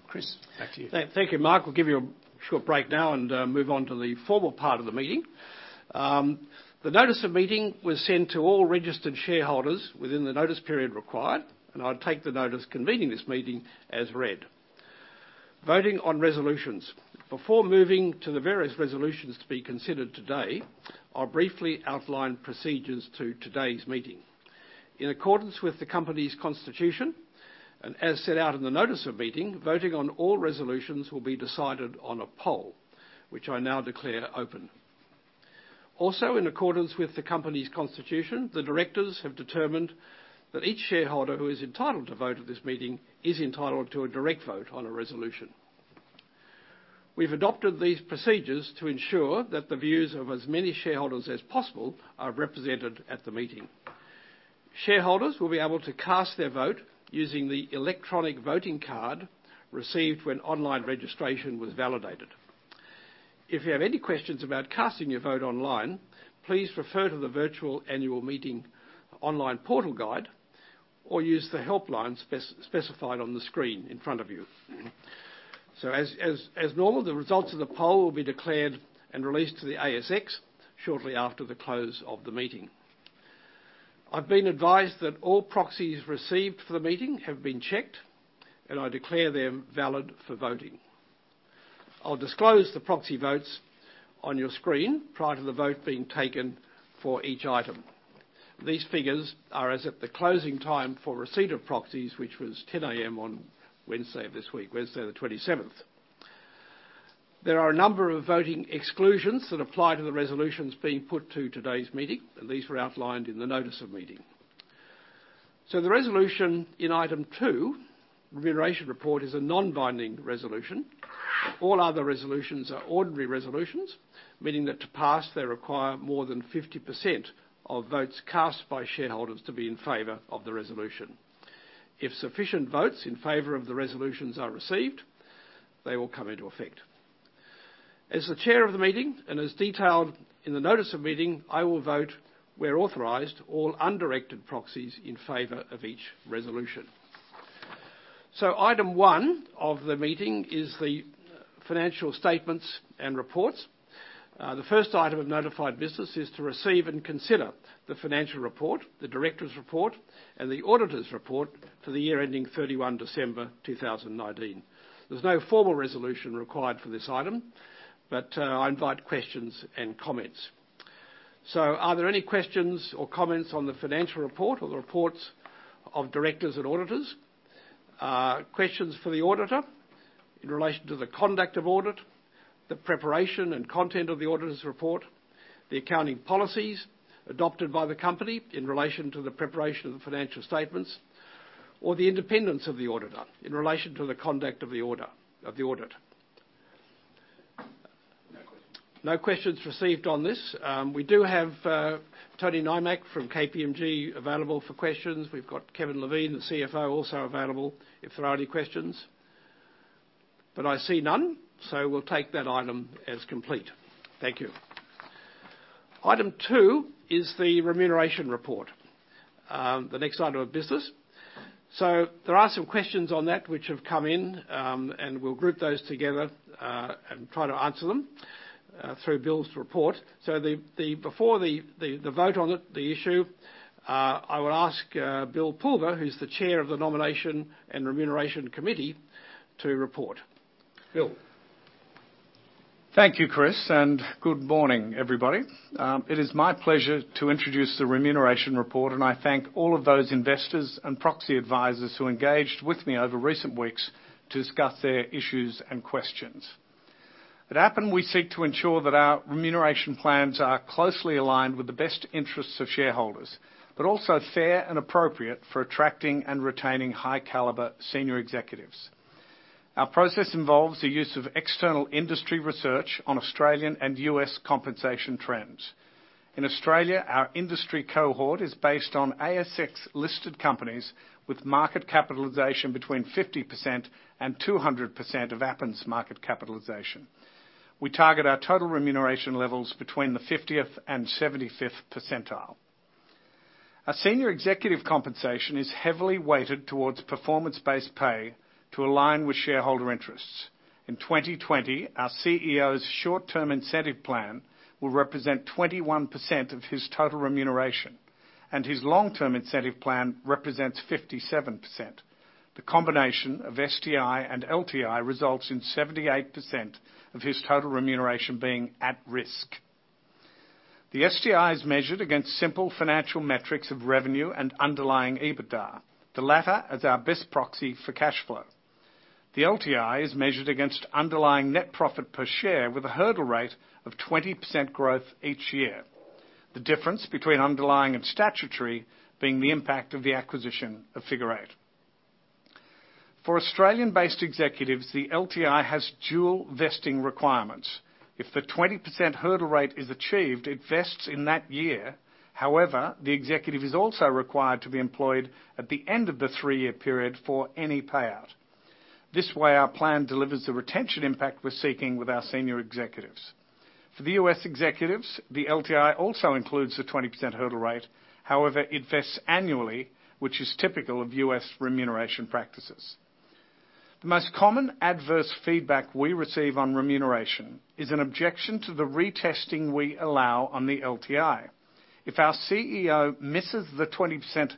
Chris, back to you. Thank you, Mark. We'll give you a short break now and move on to the formal part of the meeting. The notice of meeting was sent to all registered shareholders within the notice period required, and I take the notice convening this meeting as read. Voting on resolutions. Before moving to the various resolutions to be considered today, I'll briefly outline procedures to today's meeting. In accordance with the company's constitution, and as set out in the notice of meeting, voting on all resolutions will be decided on a poll, which I now declare open. Also in accordance with the company's constitution, the directors have determined that each shareholder who is entitled to vote at this meeting is entitled to a direct vote on a resolution. We've adopted these procedures to ensure that the views of as many shareholders as possible are represented at the meeting. Shareholders will be able to cast their vote using the electronic voting card received when online registration was validated. If you have any questions about casting your vote online, please refer to the virtual annual meeting online portal guide or use the helpline specified on the screen in front of you. As normal, the results of the poll will be declared and released to the ASX shortly after the close of the meeting. I've been advised that all proxies received for the meeting have been checked, and I declare them valid for voting. I'll disclose the proxy votes on your screen prior to the vote being taken for each item. These figures are as at the closing time for receipt of proxies, which was 10:00 A.M. on Wednesday of this week, Wednesday the 27th. There are a number of voting exclusions that apply to the resolutions being put to today's meeting, and these were outlined in the notice of meeting. The resolution in item two, remuneration report, is a non-binding resolution. All other resolutions are ordinary resolutions, meaning that to pass, they require more than 50% of votes cast by shareholders to be in favor of the resolution. If sufficient votes in favor of the resolutions are received, they will come into effect. As the chair of the meeting, and as detailed in the notice of meeting, I will vote, where authorized, all undirected proxies in favor of each resolution. Item one of the meeting is the financial statements and reports. The first item of notified business is to receive and consider the financial report, the director's report, and the auditor's report for the year ending 31 December 2019. There's no formal resolution required for this item, but I invite questions and comments. Are there any questions or comments on the financial report or the reports of directors and auditors? Questions for the auditor in relation to the conduct of audit, the preparation and content of the auditor's report, the accounting policies adopted by the company in relation to the preparation of the financial statements, or the independence of the auditor in relation to the conduct of the audit? No questions. No questions received on this. We do have Tony Nimac from KPMG available for questions. We've got Kevin Levine, the CFO, also available if there are any questions. I see none, so we'll take that item as complete. Thank you. Item two is the remuneration report. The next item of business. There are some questions on that which have come in, and we'll group those together, and try to answer them through Bill's report. Before the vote on it, the issue, I would ask Bill Pulver, who's the Chair of the Nomination and Remuneration Committee, to report. Bill? Thank you, Chris. Good morning, everybody. It is my pleasure to introduce the remuneration report, and I thank all of those investors and proxy advisors who engaged with me over recent weeks to discuss their issues and questions. At Appen, we seek to ensure that our remuneration plans are closely aligned with the best interests of shareholders, but also fair and appropriate for attracting and retaining high-caliber senior executives. Our process involves the use of external industry research on Australian and U.S. compensation trends. In Australia, our industry cohort is based on ASX listed companies with market capitalization between 50% and 200% of Appen's market capitalization. We target our total remuneration levels between the 50th and 75th percentile. Our Senior Executive compensation is heavily weighted towards performance-based pay to align with shareholder interests. In 2020, our CEO's short-term incentive plan will represent 21% of his total remuneration, and his long-term incentive plan represents 57%. The combination of STI and LTI results in 78% of his total remuneration being at risk. The STI is measured against simple financial metrics of revenue and underlying EBITDA, the latter as our best proxy for cash flow. The LTI is measured against underlying net profit per share with a hurdle rate of 20% growth each year. The difference between underlying and statutory being the impact of the acquisition of Figure Eight. For Australian-based executives, the LTI has dual vesting requirements. If the 20% hurdle rate is achieved, it vests in that year. However, the executive is also required to be employed at the end of the three-year period for any payout. This way, our plan delivers the retention impact we're seeking with our senior executives. For the U.S. executives, the LTI also includes a 20% hurdle rate. However, it vests annually, which is typical of U.S. remuneration practices. The most common adverse feedback we receive on remuneration is an objection to the retesting we allow on the LTI. If our CEO misses the 20%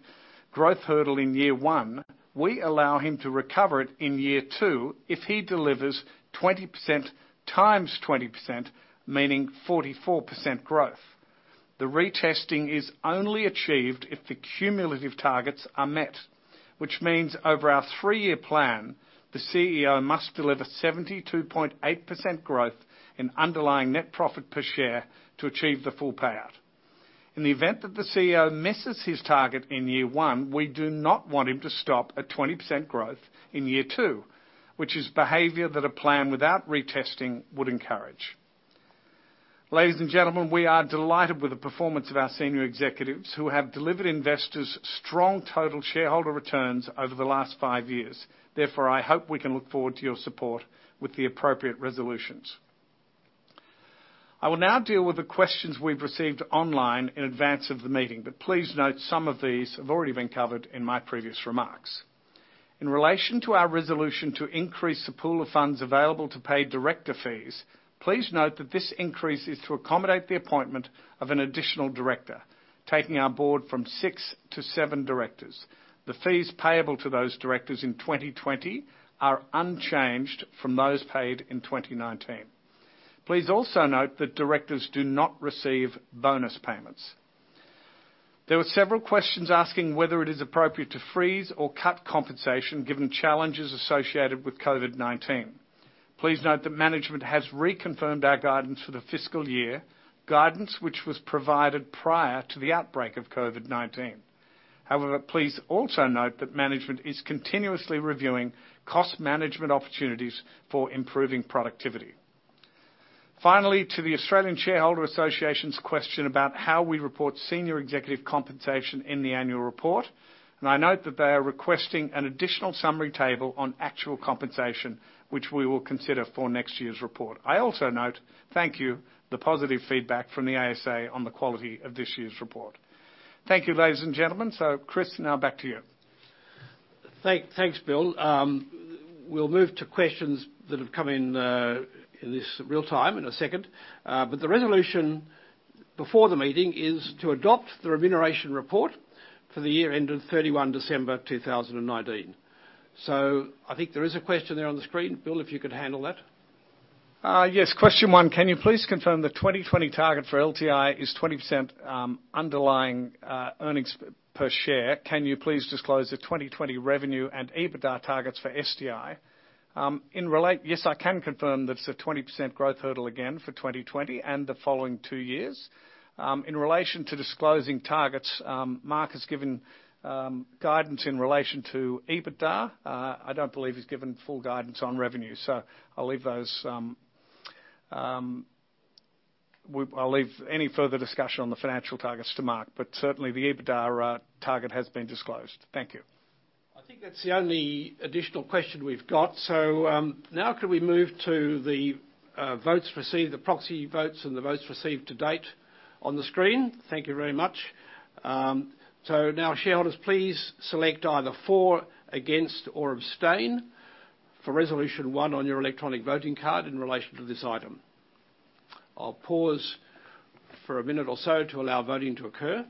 growth hurdle in year one, we allow him to recover it in year two if he delivers 20% times 20%, meaning 44% growth. The retesting is only achieved if the cumulative targets are met, which means over our three-year plan, the CEO must deliver 72.8% growth in underlying net profit per share to achieve the full payout. In the event that the CEO misses his target in year one, we do not want him to stop at 20% growth in year two, which is behavior that a plan without retesting would encourage. Ladies and gentlemen, we are delighted with the performance of our senior executives who have delivered investors strong total shareholder returns over the last five years. Therefore, I hope we can look forward to your support with the appropriate resolutions. I will now deal with the questions we've received online in advance of the meeting, but please note, some of these have already been covered in my previous remarks. In relation to our resolution to increase the pool of funds available to pay director fees, please note that this increase is to accommodate the appointment of an additional director, taking our board from six to seven directors. The fees payable to those directors in 2020 are unchanged from those paid in 2019. Please also note that directors do not receive bonus payments. There were several questions asking whether it is appropriate to freeze or cut compensation given challenges associated with COVID-19. Please note that management has reconfirmed our guidance for the fiscal year, guidance which was provided prior to the outbreak of COVID-19. Please also note that management is continuously reviewing cost management opportunities for improving productivity. To the Australian Shareholders' Association's question about how we report senior executive compensation in the annual report, I note that they are requesting an additional summary table on actual compensation, which we will consider for next year's report. I also note, thank you, the positive feedback from the ASA on the quality of this year's report. Thank you, ladies and gentlemen. Chris, now back to you. Thanks, Bill. We'll move to questions that have come in in this real time in a second. The resolution before the meeting is to adopt the remuneration report for the year end of 31 December 2019. I think there is a question there on the screen. Bill, if you could handle that. Yes. Question one, can you please confirm the 2020 target for LTI is 20% underlying earnings per share? Can you please disclose the 2020 revenue and EBITDA targets for STI? Yes, I can confirm that it's a 20% growth hurdle again for 2020 and the following two years. In relation to disclosing targets, Mark has given guidance in relation to EBITDA. I don't believe he's given full guidance on revenue. I'll leave any further discussion on the financial targets to Mark, but certainly the EBITDA target has been disclosed. Thank you. I think that's the only additional question we've got. Now could we move to the votes received, the proxy votes and the votes received to date on the screen? Thank you very much. Now shareholders, please select either for, against, or abstain for Resolution 1 on your electronic voting card in relation to this item. I'll pause for a minute or so to allow voting to occur.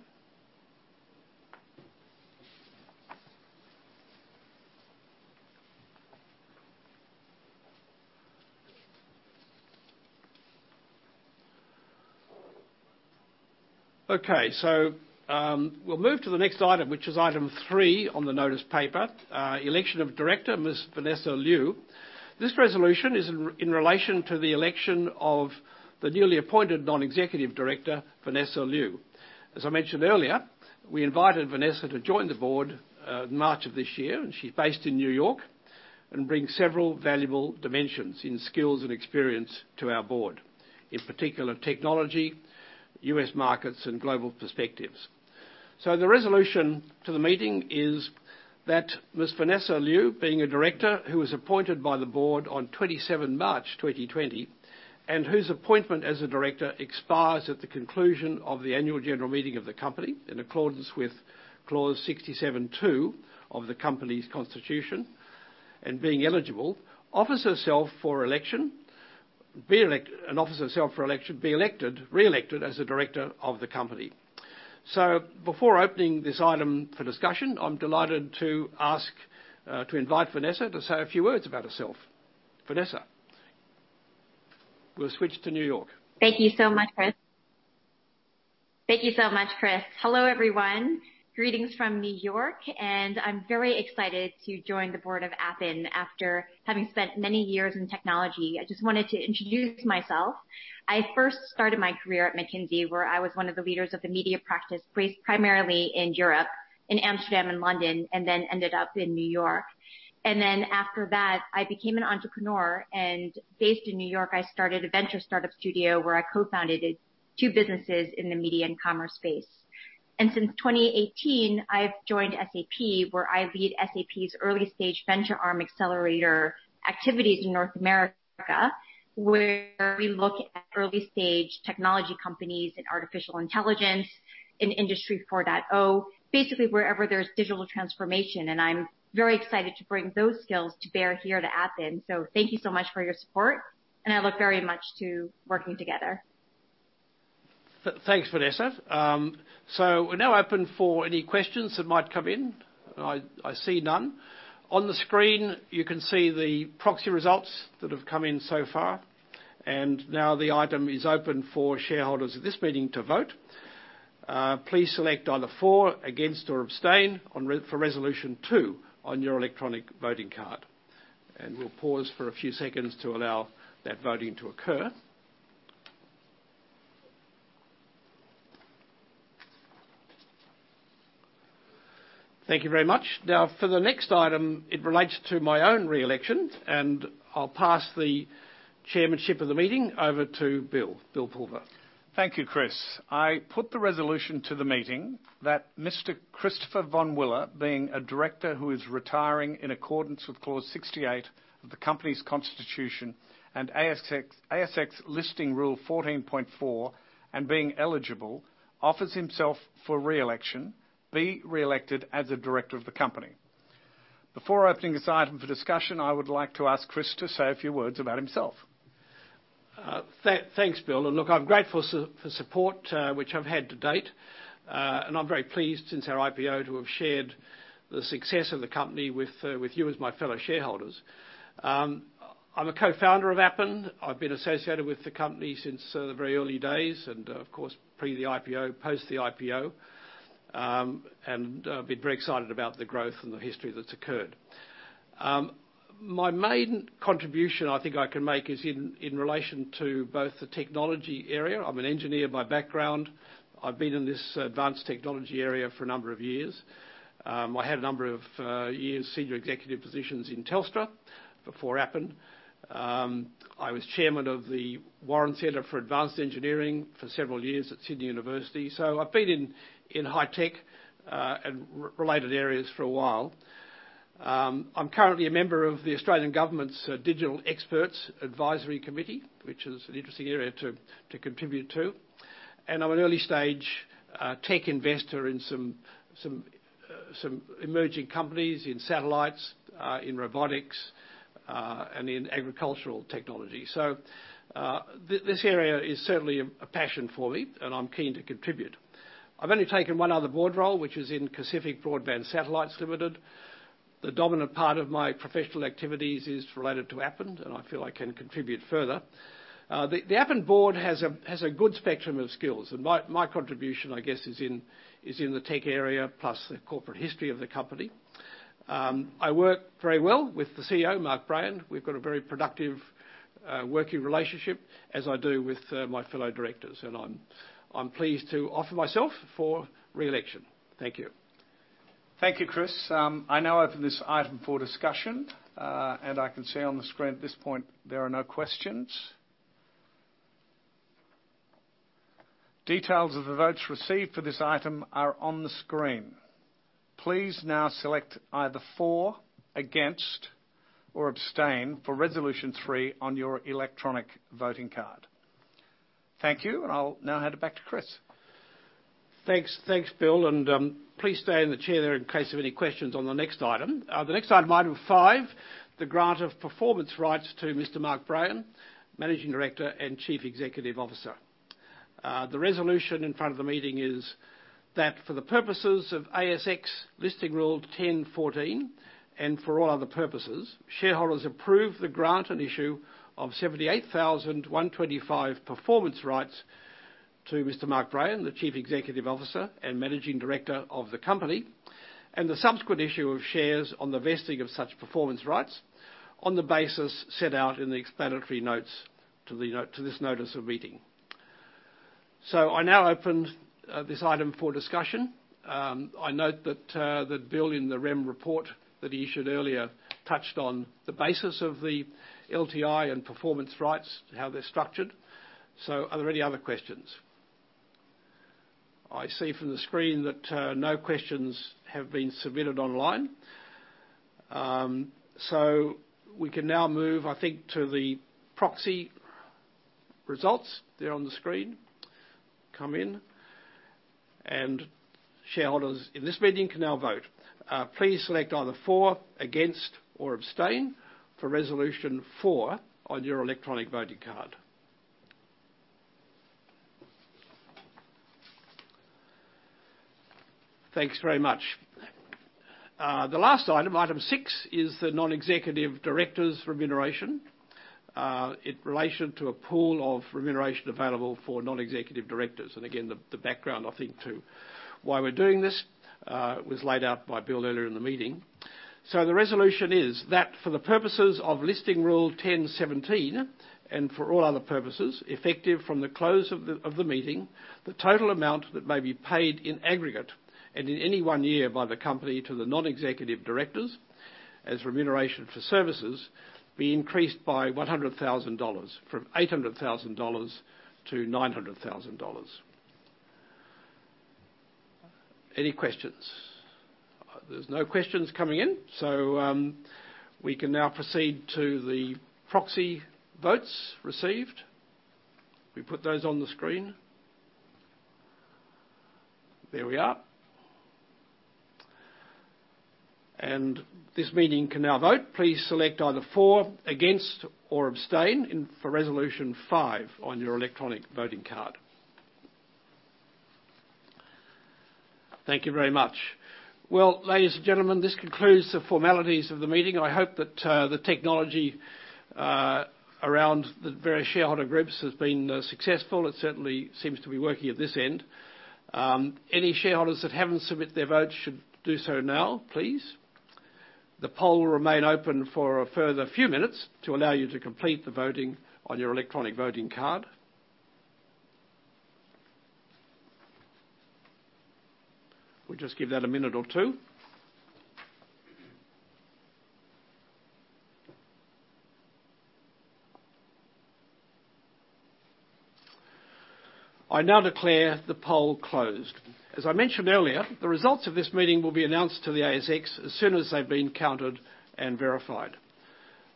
Okay. We'll move to the next item, which is Item three on the notice paper, election of director, Ms. Vanessa Liu. This resolution is in relation to the election of the newly appointed non-executive director, Vanessa Liu. As I mentioned earlier, we invited Vanessa to join the board in March of this year, and she's based in New York and brings several valuable dimensions in skills and experience to our board, in particular technology, U.S. markets, and global perspectives. The resolution to the meeting is that Ms. Vanessa Liu, being a director who was appointed by the board on 27 March 2020, and whose appointment as a director expires at the conclusion of the annual general meeting of the company in accordance with Clause 67:2 of the company's constitution, and being eligible, offers herself for election, be elected, and offers herself for election, be elected, reelected as a director of the company. Before opening this item for discussion, I'm delighted to invite Vanessa to say a few words about herself. Vanessa. We'll switch to New York. Thank you so much, Chris. Hello, everyone. Greetings from New York. I'm very excited to join the board of Appen after having spent many years in technology. I just wanted to introduce myself. I first started my career at McKinsey, where I was one of the leaders of the media practice, based primarily in Europe, in Amsterdam and London. Then ended up in New York. After that, I became an entrepreneur and based in New York, I started a venture startup studio where I co-founded two businesses in the media and commerce space. Since 2018, I've joined SAP, where I lead SAP's early-stage venture arm accelerator activities in North America, where we look at early-stage technology companies in artificial intelligence, in Industry 4.0, basically wherever there's digital transformation. I'm very excited to bring those skills to bear here to Appen. Thank you so much for your support, and I look very much to working together. Thanks, Vanessa. We're now open for any questions that might come in. I see none. On the screen, you can see the proxy results that have come in so far. Now the item is open for shareholders at this meeting to vote. Please select either for, against, or abstain for resolution two on your electronic voting card. We'll pause for a few seconds to allow that voting to occur. Thank you very much. For the next item, it relates to my own re-election, and I'll pass the chairmanship of the meeting over to Bill. Bill Pulver. Thank you, Chris. I put the resolution to the meeting that Mr. Christopher Vonwiller, being a Director who is retiring in accordance with Clause 68 of the company's constitution and ASX Listing Rule 14.4, and being eligible, offers himself for re-election, be re-elected as a director of the company. Before opening this item for discussion, I would like to ask Chris to say a few words about himself. Thanks, Bill. Look, I'm grateful for support which I've had to date. I'm very pleased since our IPO to have shared the success of the company with you as my fellow shareholders. I'm a co-founder of Appen. I've been associated with the company since the very early days and, of course, pre the IPO, post the IPO, and been very excited about the growth and the history that's occurred. My main contribution I think I can make is in relation to both the technology area. I'm an engineer by background. I've been in this advanced technology area for a number of years. I had a number of years senior executive positions in Telstra before Appen. I was chairman of The Warren Centre for Advanced Engineering for several years at The University of Sydney. I've been in high tech, and related areas for a while. I'm currently a member of the Australian Government's Digital Experts Advisory Committee, which is an interesting area to contribute to. I'm an early-stage tech investor in some emerging companies in satellites, in robotics, and in agricultural technology. This area is certainly a passion for me and I'm keen to contribute. I've only taken one other board role, which is in Pacific Broadband Satellites Limited. The dominant part of my professional activities is related to Appen, and I feel I can contribute further. The Appen board has a good spectrum of skills, and my contribution, I guess, is in the tech area, plus the corporate history of the company. I work very well with the CEO, Mark Brayan. We've got a very productive working relationship, as I do with my fellow directors, and I'm pleased to offer myself for re-election. Thank you. Thank you, Chris. I now open this item for discussion. I can see on the screen at this point there are no questions. Details of the votes received for this item are on the screen. Please now select either for, against, or abstain for Resolution 3 on your electronic voting card. Thank you, and I'll now hand it back to Chris. Thanks, Bill, please stay in the chair there in case of any questions on the next item. The next item five, the grant of performance rights to Mr. Mark Brayan, Managing Director and Chief Executive Officer. The resolution in front of the meeting is that for the purposes of ASX Listing Rule 10.14, and for all other purposes, shareholders approve the grant and issue of 78,125 performance rights to Mr. Mark Brayan, the Chief Executive Officer and Managing Director of the company, and the subsequent issue of shares on the vesting of such performance rights on the basis set out in the explanatory notes to this notice of meeting. I now open this item for discussion. I note that Bill, in the REM report that he issued earlier, touched on the basis of the LTI and performance rights and how they're structured. Are there any other questions? I see from the screen that no questions have been submitted online. We can now move, I think, to the proxy results. They're on the screen. Come in. Shareholders in this meeting can now vote. Please select either for, against, or abstain for Resolution 4 on your electronic voting card. Thanks very much. The last item six, is the Non-executive Directors' remuneration, in relation to a pool of remuneration available for Non-executive Directors. Again, the background, I think, to why we're doing this, was laid out by Bill earlier in the meeting. The resolution is that for the purposes of Listing Rule 10.17, and for all other purposes, effective from the close of the meeting, the total amount that may be paid in aggregate and in any one year by the company to the Non-executive Directors as remuneration for services be increased by 100,000 dollars from 800,000 dollars to 900,000 dollars. Any questions? There's no questions coming in. We can now proceed to the proxy votes received. We put those on the screen. There we are. This meeting can now vote. Please select either for, against, or abstain for Resolution 5 on your electronic voting card. Thank you very much. Ladies and gentlemen, this concludes the formalities of the meeting. I hope that the technology around the various shareholder groups has been successful. It certainly seems to be working at this end. Any shareholders that haven't submitted their votes should do so now, please. The poll will remain open for a further few minutes to allow you to complete the voting on your electronic voting card. We'll just give that a minute or two. I now declare the poll closed. As I mentioned earlier, the results of this meeting will be announced to the ASX as soon as they've been counted and verified.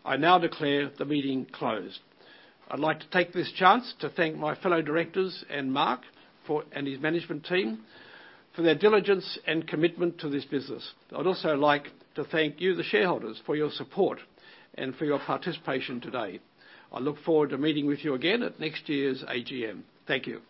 I now declare the meeting closed. I'd like to take this chance to thank my fellow directors and Mark and his management team for their diligence and commitment to this business. I'd also like to thank you, the shareholders, for your support and for your participation today. I look forward to meeting with you again at next year's AGM. Thank you.